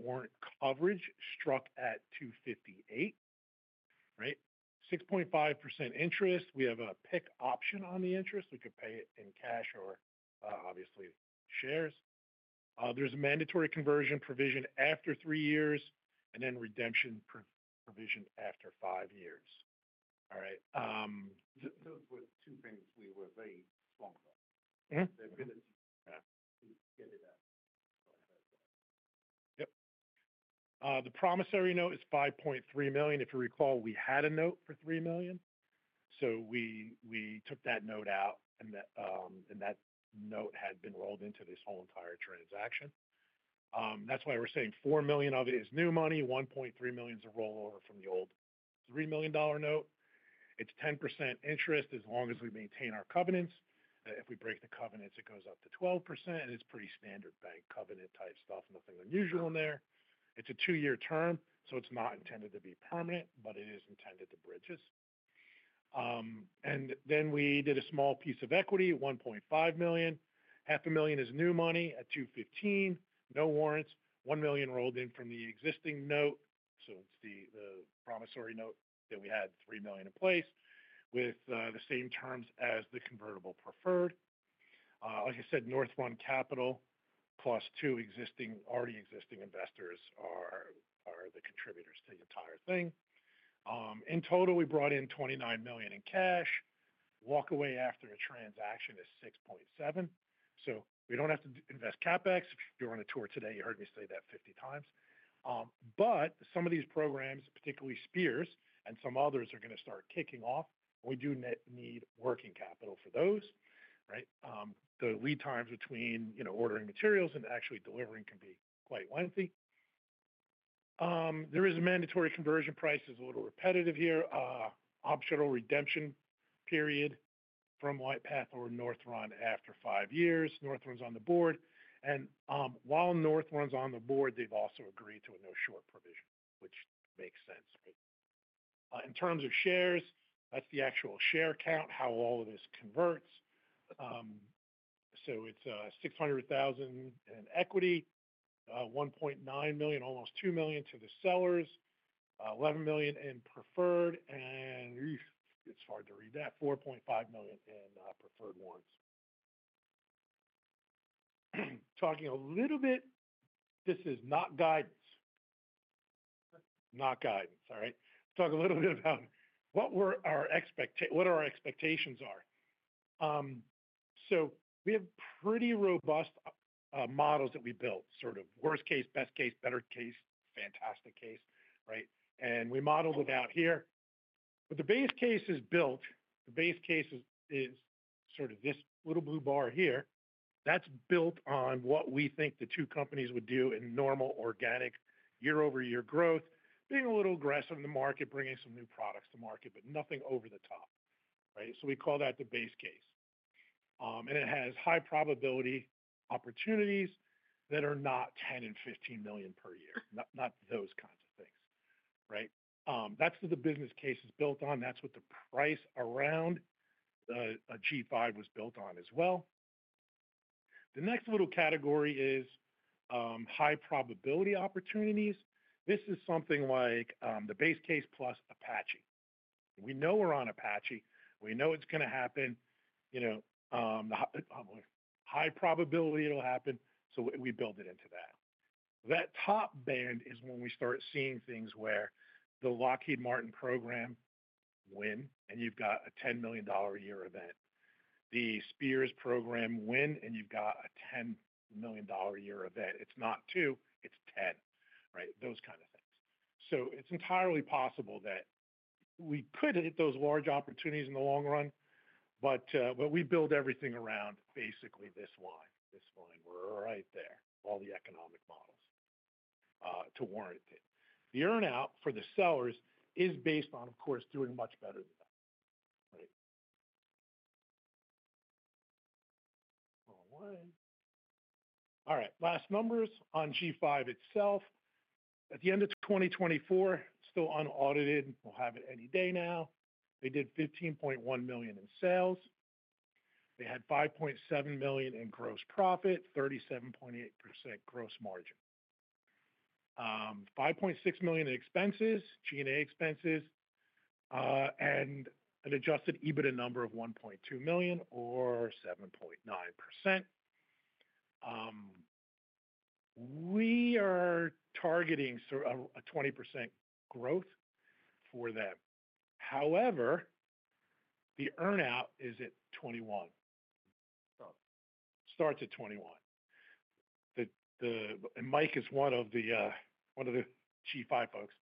warrant coverage struck at $2.58, right? 6.5% interest. We have a pick option on the interest. We could pay it in cash or obviously shares. There's a mandatory conversion provision after three years and then redemption provision after five years. All right. Those were two things we were very strong about. The ability to get it out. Yep. The promissory note is $5.3 million. If you recall, we had a note for $3 million. So we took that note out and that note had been rolled into this whole entire transaction. That's why we're saying $4 million of it is new money. $1.3 million is a rollover from the old $3 million note. It's 10% interest as long as we maintain our covenants. If we break the covenants, it goes up to 12%. And it's pretty standard bank covenant type stuff, nothing unusual in there. It's a two-year term, so it's not intended to be permanent, but it is intended to bridge us. We did a small piece of equity, $1.5 million. $500,000 is new money at $2.15, no warrants. $1 million rolled in from the existing note. It's the promissory note that we had $3 million in place with the same terms as the convertible preferred. Like I said, Northrun Capital plus two already existing investors are the contributors to the entire thing. In total, we brought in $2.9 million in cash. Walk away after a transaction is $6.7 million. We don't have to invest CapEx. If you're on a tour today, you heard me say that 50 times. Some of these programs, particularly SPEAR and some others, are going to start kicking off. We do need working capital for those, right? The lead times between, you know, ordering materials and actually delivering can be quite lengthy. There is a mandatory conversion price that's a little repetitive here. Optional redemption period from LightPath or Northrun after five years. Northrun's on the board. And while Northrun's on the board, they've also agreed to a no short provision, which makes sense, right? In terms of shares, that's the actual share count, how all of this converts. So it's $600,000 in equity, $1.9 million, almost $2 million to the sellers, $11 million in preferred, and it's hard to read that, $4.5 million in preferred warrants. Talking a little bit, this is not guidance. Not guidance, all right? Let's talk a little bit about what our expectations are. We have pretty robust models that we built, sort of worst case, best case, better case, fantastic case, right? We modeled it out here. The base case is built. The base case is sort of this little blue bar here. That is built on what we think the two companies would do in normal organic year-over-year growth, being a little aggressive in the market, bringing some new products to market, but nothing over the top, right? We call that the base case. It has high probability opportunities that are not $10 million and $15 million per year, not those kinds of things, right? That is what the business case is built on. That is what the price around G5 was built on as well. The next little category is high probability opportunities. This is something like the base case plus Apache. We know we are on Apache. We know it is going to happen, you know, high probability it will happen. We built it into that. That top band is when we start seeing things where the Lockheed Martin program wins and you've got a $10 million a year event. The SPEAR program wins and you've got a $10 million a year event. It's not two, it's 10, right? Those kinds of things. It is entirely possible that we could hit those large opportunities in the long run, but we build everything around basically this line. This line, we're right there, all the economic models to warrant it. The earn-out for the sellers is based on, of course, doing much better than that, right? All right, last numbers on G5 itself. At the end of 2024, still unaudited, we'll have it any day now. They did $15.1 million in sales. They had $5.7 million in gross profit, 37.8% gross margin. $5.6 million in expenses, G&A expenses, and an adjusted EBITDA number of $1.2 million or 7.9%. We are targeting a 20% growth for them. However, the earn-out is at 21. Starts at 21. And Mike is one of the G5 folks.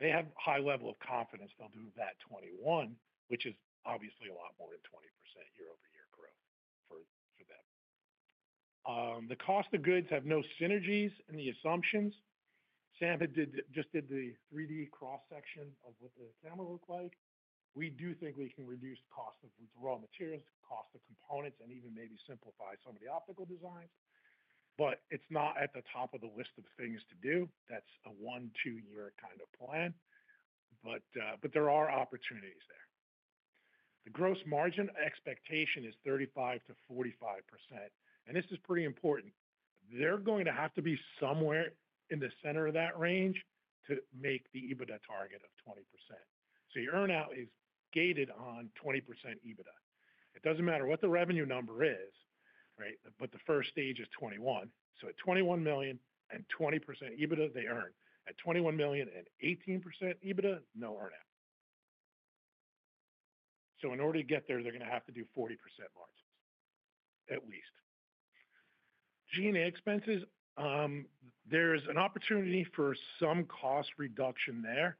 They have a high level of confidence they'll do that 21, which is obviously a lot more than 20% year-over-year growth for them. The cost of goods have no synergies in the assumptions. Sam just did the 3D cross-section of what the camera looked like. We do think we can reduce the cost of raw materials, cost of components, and even maybe simplify some of the optical designs. It is not at the top of the list of things to do. That is a one, two-year kind of plan. There are opportunities there. The gross margin expectation is 35-45%. This is pretty important. They're going to have to be somewhere in the center of that range to make the EBITDA target of 20%. Your earn-out is gated on 20% EBITDA. It does not matter what the revenue number is, right? The first stage is 21. At $21 million and 20% EBITDA, they earn. At $21 million and 18% EBITDA, no earn-out. In order to get there, they're going to have to do 40% margins at least. G&A expenses, there's an opportunity for some cost reduction there.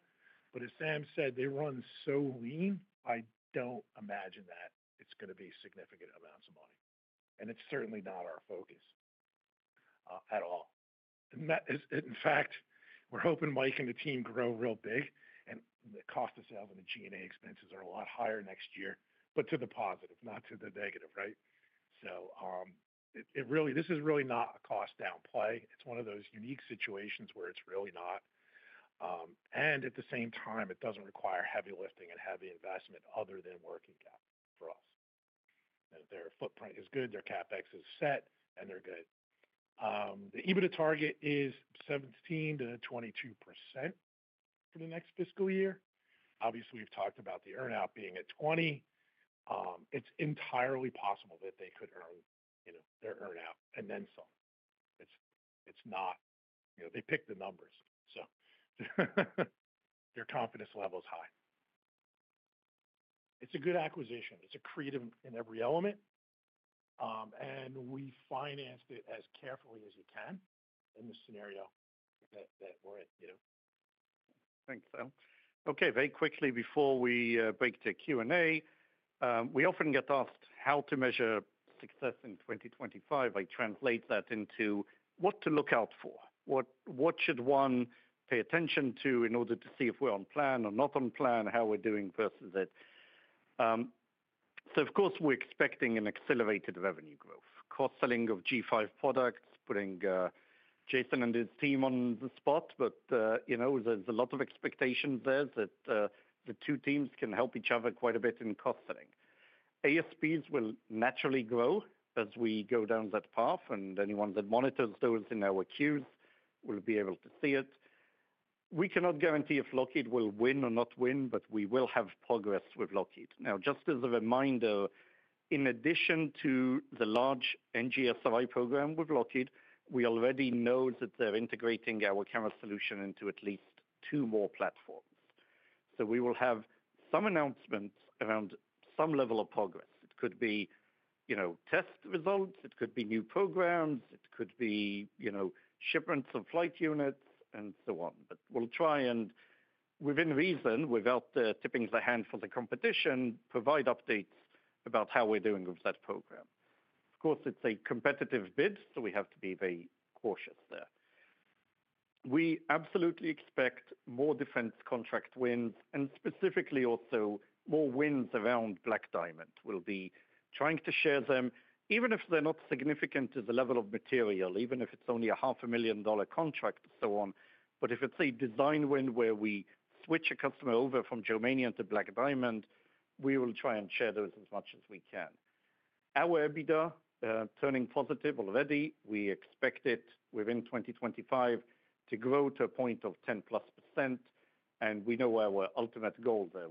As Sam said, they run so lean, I do not imagine that it's going to be significant amounts of money. It is certainly not our focus at all. In fact, we're hoping Mike and the team grow real big and the cost of sales and the G&A expenses are a lot higher next year, but to the positive, not to the negative, right? This is really not a cost downplay. It's one of those unique situations where it's really not. At the same time, it doesn't require heavy lifting and heavy investment other than working capital for us. Their footprint is good, their CapEx is set, and they're good. The EBITDA target is 17-22% for the next fiscal year. Obviously, we've talked about the earn-out being at 20%. It's entirely possible that they could earn, you know, their earn-out and then some. It's not, you know, they pick the numbers. Their confidence level is high. It's a good acquisition. It's accretive in every element. We financed it as carefully as you can in the scenario that we're in, you know. Thanks, AI. Okay, very quickly before we break to Q&A, we often get asked how to measure success in 2025. I translate that into what to look out for. What should one pay attention to in order to see if we're on plan or not on plan, how we're doing versus it? Of course, we're expecting an accelerated revenue growth, cost selling of G5 products, putting Jason and his team on the spot. You know, there's a lot of expectations there that the two teams can help each other quite a bit in cost selling. ASPs will naturally grow as we go down that path. Anyone that monitors those in our queues will be able to see it. We cannot guarantee if Lockheed will win or not win, but we will have progress with Lockheed. Now, just as a reminder, in addition to the large NGSI program with Lockheed, we already know that they're integrating our camera solution into at least two more platforms. We will have some announcements around some level of progress. It could be, you know, test results. It could be new programs. It could be, you know, shipments of flight units and so on. We will try and, within reason, without tipping the hand for the competition, provide updates about how we're doing with that program. Of course, it's a competitive bid, so we have to be very cautious there. We absolutely expect more defense contract wins and specifically also more wins around BlackDiamond. We will be trying to share them, even if they're not significant to the level of material, even if it's only a $500,000 contract or so on. If it's a design win where we switch a customer over from Germania to BlackDiamond, we will try and share those as much as we can. Our EBITDA turning positive already. We expect it within 2025 to grow to a point of 10+%. We know our ultimate goal there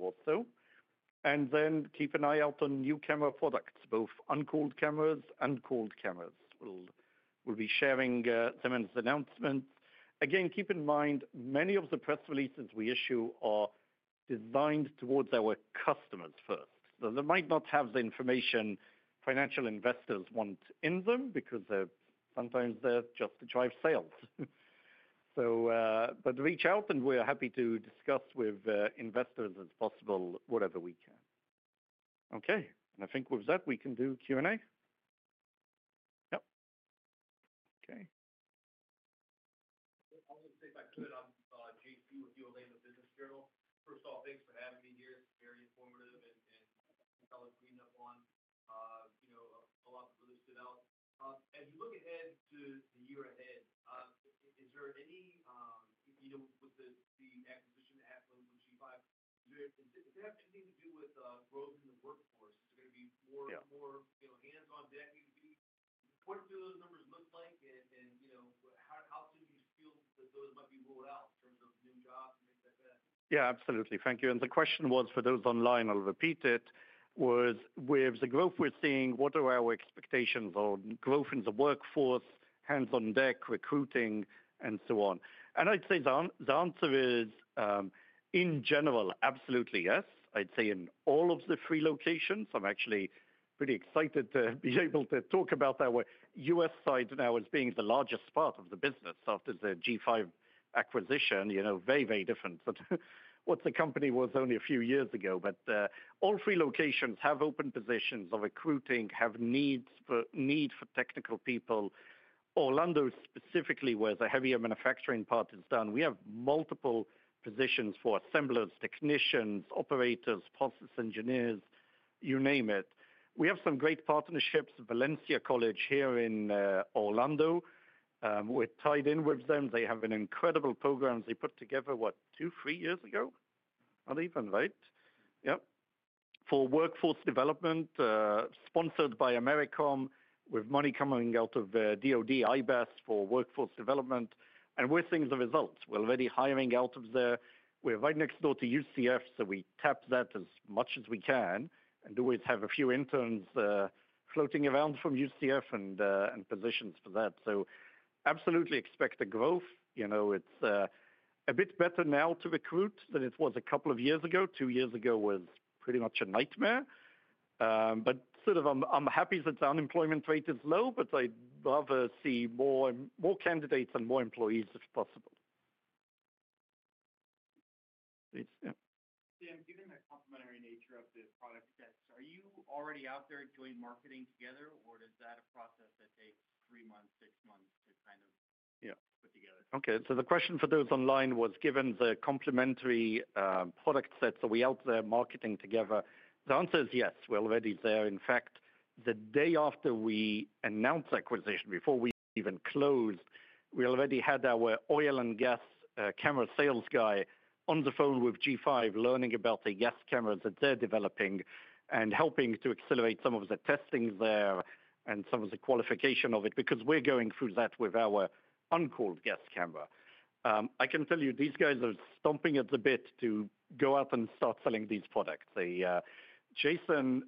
also. Keep an eye out on new camera products, both uncooled cameras and cooled cameras. We will be sharing some announcements. Keep in mind many of the press releases we issue are designed towards our customers first. They might not have the information financial investors want in them because sometimes they are just to drive sales. Reach out and we are happy to discuss with investors as possible, whatever we can. I think with that, we can do Q&A. Yep. I will just say back to it on GC with your labor business journal. First off, thanks for having me here. It is very informative and kind of cleaned up on, you know, a lot that really stood out. As you look ahead to the year ahead, is there any, you know, with the acquisition that happened with G5, does it have anything to do with growth in the workforce? Is it going to be more, you know, hands-on decking to be? What do those numbers look like? And, you know, how soon do you feel that those might be rolled out in terms of new jobs and things like that? Yeah, absolutely. Thank you. The question was for those online, I'll repeat it, was with the growth we're seeing, what are our expectations on growth in the workforce, hands-on deck, recruiting, and so on? I'd say the answer is, in general, absolutely yes. I'd say in all of the three locations, I'm actually pretty excited to be able to talk about our U.S. side now as being the largest part of the business after the G5 acquisition, you know, very, very different to what the company was only a few years ago. All three locations have open positions of recruiting, have needs for technical people. Orlando specifically, where the heavier manufacturing part is done, we have multiple positions for assemblers, technicians, operators, process engineers, you name it. We have some great partnerships, Valencia College here in Orlando. We're tied in with them. They have an incredible program they put together, what, two, three years ago? Not even, right? Yep. For workforce development, sponsored by Americom, with money coming out of DOD IBAS for workforce development. We're seeing the results. We're already hiring out of there. We're right next door to UCF, so we tap that as much as we can and always have a few interns floating around from UCF and positions for that. Absolutely expect the growth. You know, it's a bit better now to recruit than it was a couple of years ago. Two years ago was pretty much a nightmare. I'm happy that the unemployment rate is low, but I'd rather see more candidates and more employees if possible. Sam, given the complimentary nature of this product, are you already out there doing marketing together, or is that a process that takes three months, six months to kind of put together? Okay. The question for those online was given the complimentary product sets that we out there marketing together. The answer is yes. We're already there. In fact, the day after we announced acquisition, before we even closed, we already had our oil and gas camera sales guy on the phone with G5 learning about the gas cameras that they're developing and helping to accelerate some of the testing there and some of the qualification of it because we're going through that with our uncooled gas camera. I can tell you these guys are stomping at the bit to go out and start selling these products. Jason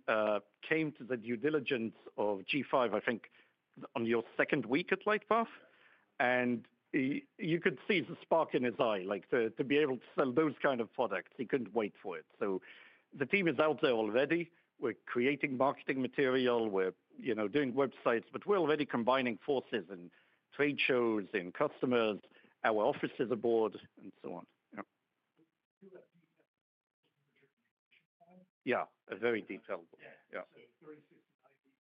came to the due diligence of G5, I think, on your second week at LightPath, and you could see the spark in his eye, like to be able to sell those kinds of products. He couldn't wait for it. The team is out there already. We're creating marketing material. We're, you know, doing websites, but we're already combining forces in trade shows, in customers, our offices abroad, and so on. Yeah, a very detailed one. Yeah. So 36 to 90,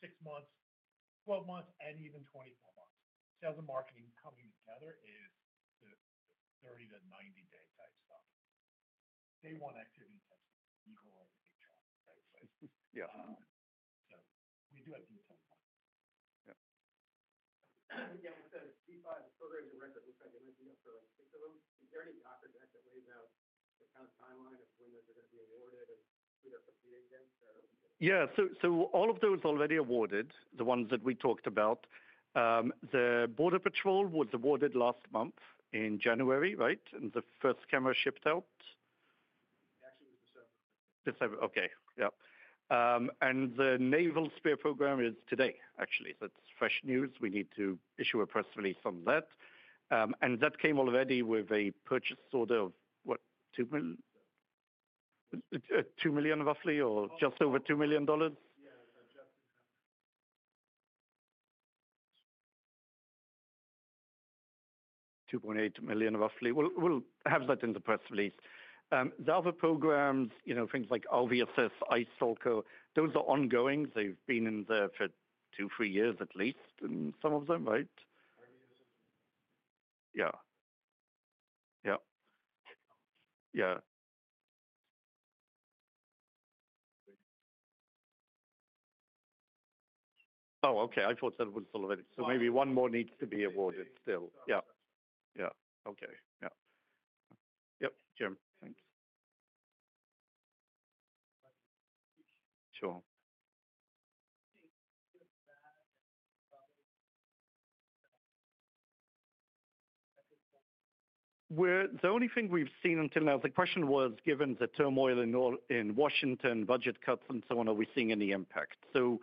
six months, 12 months, and even 24 months. Sales and marketing coming together is the 30-90 day type stuff. Day one activity types of people are in HR, right? So we do have detailed time. Yeah. Yeah, with the G5 program direct, it looks like it might be up for six of them. Is there any doctor deck that lays out the kind of timeline of when those are going to be awarded and who they're competing against? Yeah, so all of those are already awarded, the ones that we talked about. The Border Patrol was awarded last month in January, right? And the first camera shipped out. Actually, it was December. December. Okay. Yeah. The Naval Spare Program is today, actually. It is fresh news. We need to issue a press release on that. That came already with a purchase order of, what, $2 million? $2 million roughly or just over $2 million? Yeah, just over $2 million. $2.8 million roughly. We will have that in the press release. The other programs, you know, things like RVSS, ICELCO, those are ongoing. They have been in there for two, three years at least in some of them, right? Yeah. Yeah. Yeah. Oh, okay. I thought that was all of it. Maybe one more needs to be awarded still. Yeah. Yeah. Okay. Yeah. Yep. Jim. Thanks. Sure. The only thing we have seen until now, the question was given the turmoil in Washington, budget cuts and so on, are we seeing any impact? So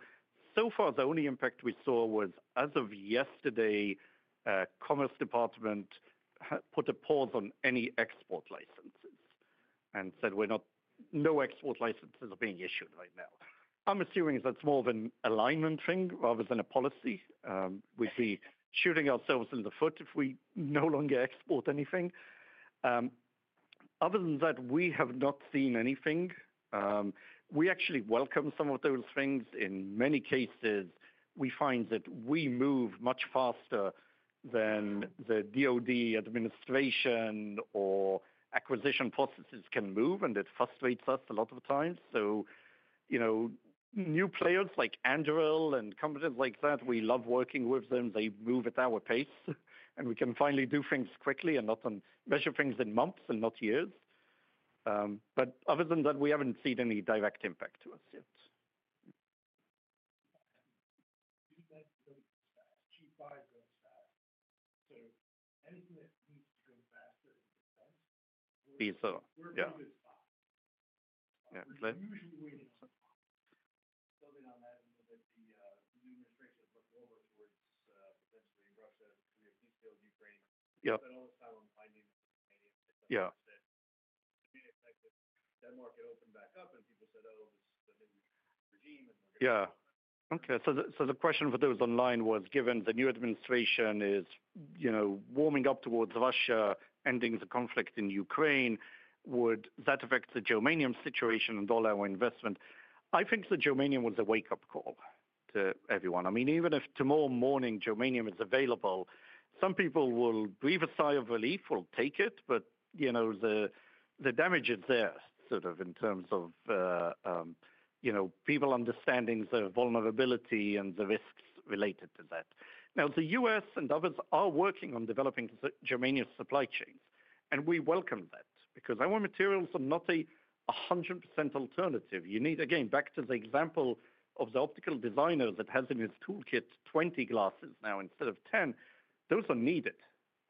far, the only impact we saw was as of yesterday, Commerce Department put a pause on any export licenses and said we're not, no export licenses are being issued right now. I'm assuming that's more of an alignment thing rather than a policy. We'd be shooting ourselves in the foot if we no longer export anything. Other than that, we have not seen anything. We actually welcome some of those things. In many cases, we find that we move much faster than the DOD administration or acquisition processes can move, and it frustrates us a lot of times. You know, new players like Anduril and companies like that, we love working with them. They move at our pace, and we can finally do things quickly and not measure things in months and not years. Other than that, we haven't seen any direct impact to us yet. G5 goes fast. Anything that needs to go faster than it does? Piece of. Yeah. We're in a good spot. Yeah. We're usually way down. Building on that, the new administration has looked over towards potentially Russia to be a peace deal with Ukraine. All this time, I'm finding that the new market opened back up and people said, "Oh, this is the new regime and we're going to." Yeah. Okay. The question for those online was given the new administration is, you know, warming up towards Russia, ending the conflict in Ukraine, would that affect the Germanium situation and all our investment? I think the Germanium was a wake-up call to everyone. I mean, even if tomorrow morning germanium is available, some people will breathe a sigh of relief, will take it, but, you know, the damage is there sort of in terms of, you know, people understanding the vulnerability and the risks related to that. Now, the U.S. and others are working on developing germanium supply chains, and we welcome that because our materials are not a 100% alternative. You need, again, back to the example of the optical designer that has in his toolkit 20 glasses now instead of 10. Those are needed.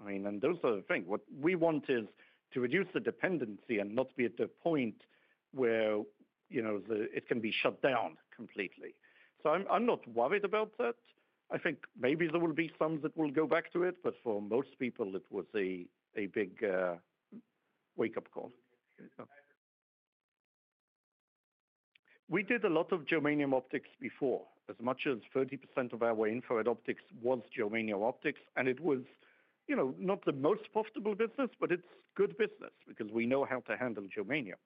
I mean, and those are the things. What we want is to reduce the dependency and not be at the point where, you know, it can be shut down completely. I'm not worried about that. I think maybe there will be some that will go back to it, but for most people, it was a big wake-up call. We did a lot of Germanium optics before. As much as 30% of our infrared optics was Germanium optics, and it was, you know, not the most profitable business, but it's good business because we know how to handle Germanium.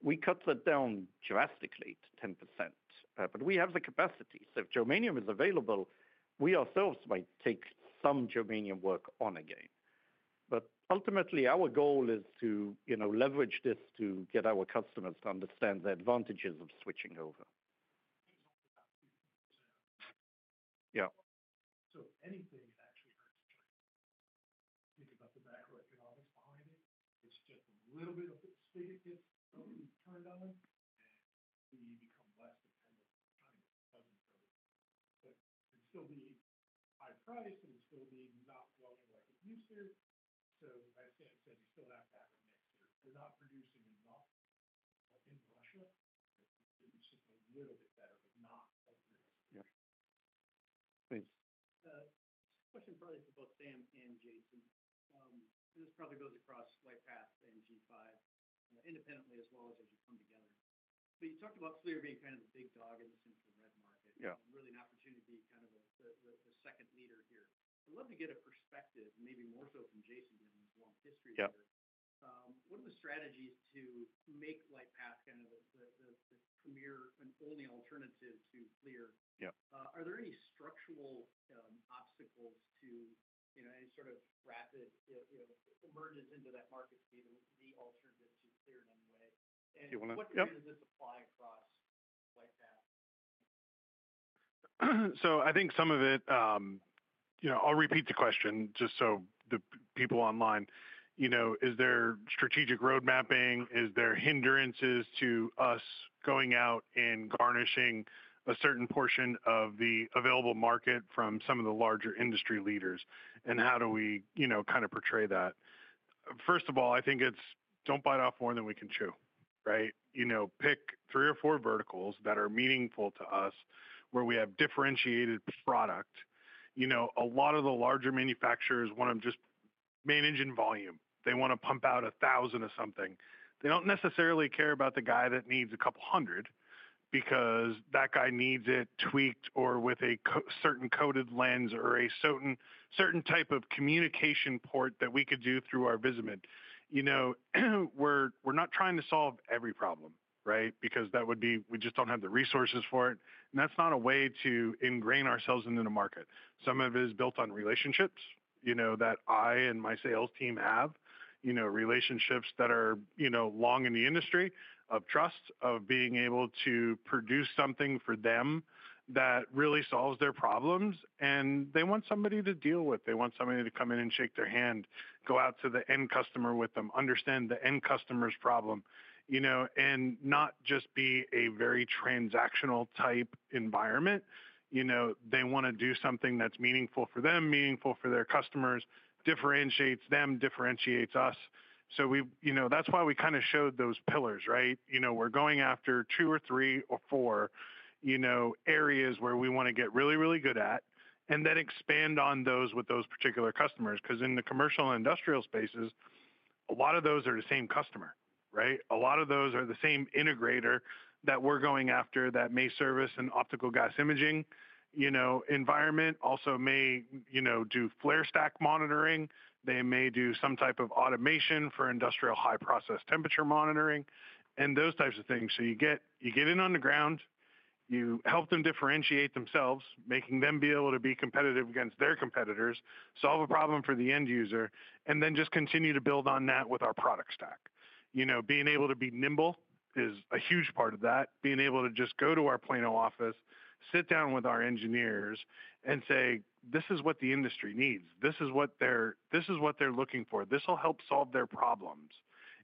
We cut that down drastically to 10%, but we have the capacity. If Germanium is available, we ourselves might take some Germanium work on again. Ultimately, our goal is to, you know, leverage this to get our customers to understand the advantages of switching over. Yeah. If anything, it actually hurts to think about the macroeconomics behind it. It's just a little bit of it, the spigot gets turned on, and we become less dependent on trying to dozen services. It's still being high priced, and it's still being not going like it used to. As Sam said, you still have to have it next year. You're not producing enough in Russia. It's just a little bit better, but not a little bit. Yeah. Thanks. Question probably for both Sam and Jason. This probably goes across LightPath and G5 independently as well as as you come together. You talked about FLIR being kind of the big dog in the central red market. Yeah. Really an opportunity to be kind of the second leader here. I'd love to get a perspective, maybe more so from Jason given his long history here. What are the strategies to make LightPath kind of the premier and only alternative to FLIR? Are there any structural obstacles to, you know, any sort of rapid, you know, emergence into that market to be the alternative to FLIR in any way? What does this apply across LightPath? I think some of it, you know, I'll repeat the question just so the people online, you know, is there strategic roadmapping? Is there hindrances to us going out and garnishing a certain portion of the available market from some of the larger industry leaders? How do we, you know, kind of portray that? First of all, I think it's don't bite off more than we can chew, right? You know, pick three or four verticals that are meaningful to us where we have differentiated product. You know, a lot of the larger manufacturers want to just manage in volume. They want to pump out a thousand or something. They don't necessarily care about the guy that needs a couple hundred because that guy needs it tweaked or with a certain coded lens or a certain type of communication port that we could do through our Visimid. You know, we're not trying to solve every problem, right? Because that would be we just don't have the resources for it. That's not a way to ingrain ourselves into the market. Some of it is built on relationships, you know, that I and my sales team have, you know, relationships that are, you know, long in the industry of trust, of being able to produce something for them that really solves their problems. They want somebody to deal with. They want somebody to come in and shake their hand, go out to the end customer with them, understand the end customer's problem, you know, and not just be a very transactional type environment. You know, they want to do something that's meaningful for them, meaningful for their customers, differentiates them, differentiates us. You know, that's why we kind of showed those pillars, right? You know, we're going after two or three or four areas where we want to get really, really good at and then expand on those with those particular customers. Because in the commercial and industrial spaces, a lot of those are the same customer, right? A lot of those are the same integrator that we're going after that may service an optical gas imaging, you know, environment. Also may, you know, do FLIR stack monitoring. They may do some type of automation for industrial high process temperature monitoring and those types of things. You get in on the ground, you help them differentiate themselves, making them be able to be competitive against their competitors, solve a problem for the end user, and then just continue to build on that with our product stack. You know, being able to be nimble is a huge part of that. Being able to just go to our Plano office, sit down with our engineers and say, "This is what the industry needs. This is what they're looking for. This will help solve their problems."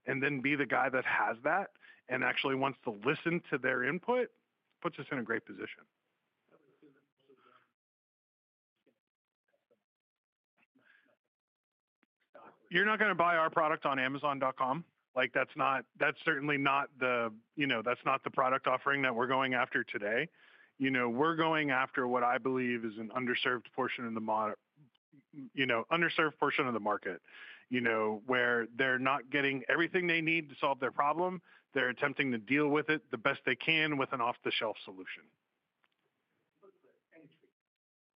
Being the guy that has that and actually wants to listen to their input puts us in a great position. You're not going to buy our product on amazon.com. Like that's not, that's certainly not the, you know, that's not the product offering that we're going after today. You know, we're going after what I believe is an underserved portion of the, you know, underserved portion of the market, you know, where they're not getting everything they need to solve their problem. They're attempting to deal with it the best they can with an off-the-shelf solution.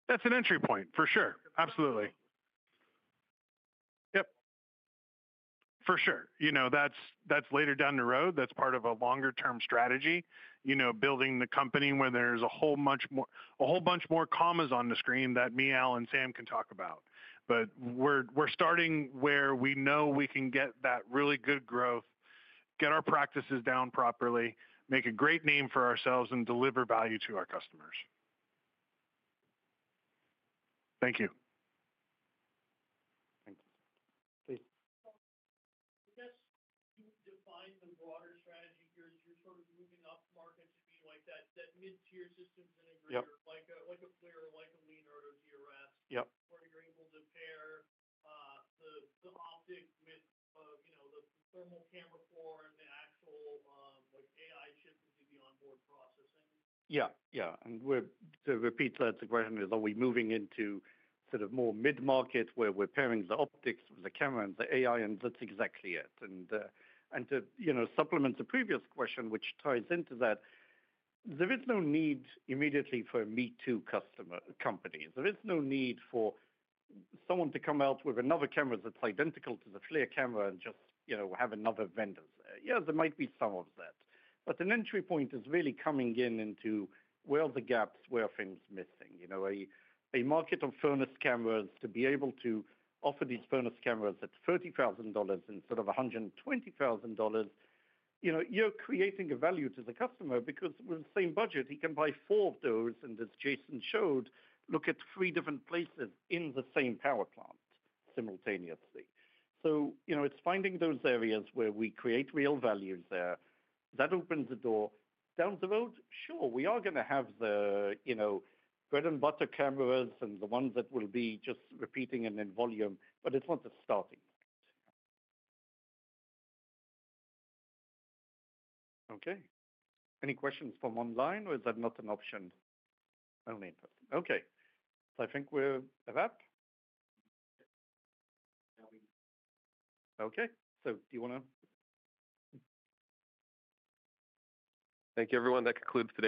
That's an entry point for sure. Absolutely. Yep. For sure. You know, that's later down the road. That's part of a longer-term strategy, you know, building the company where there's a whole bunch more commas on the screen that me, Al, and Sam can talk about. We're starting where we know we can get that really good growth, get our practices down properly, make a great name for ourselves, and deliver value to our customers. Thank you. Thank you. Please. I guess you define the broader strategy here as you're sort of moving up market to be like that mid-tier systems integrator, like a FLIR or like a Lynred or TRS. Yep. Where you're able to pair the optic with, you know, the thermal camera core and the actual AI chip to do the onboard processing. Yeah. Yeah. To repeat that, the question is are we moving into sort of more mid-market where we're pairing the optics, the camera, and the AI, and that's exactly it. To, you know, supplement the previous question, which ties into that, there is no need immediately for a me-too company. There is no need for someone to come out with another camera that's identical to the FLIR camera and just, you know, have another vendor there. Yeah, there might be some of that. But an entry point is really coming in into where are the gaps, where are things missing? You know, a market of furnace cameras to be able to offer these furnace cameras at $30,000 instead of $120,000, you know, you're creating a value to the customer because with the same budget, he can buy four of those. And as Jason showed, look at three different places in the same power plant simultaneously. You know, it's finding those areas where we create real value there. That opens the door. Down the road, sure, we are going to have the, you know, bread and butter cameras and the ones that will be just repeating and in volume, but it's not the starting point. Okay. Any questions from online, or is that not an option? Okay. I think we're about. Okay. Do you want to? Thank you, everyone. That concludes the.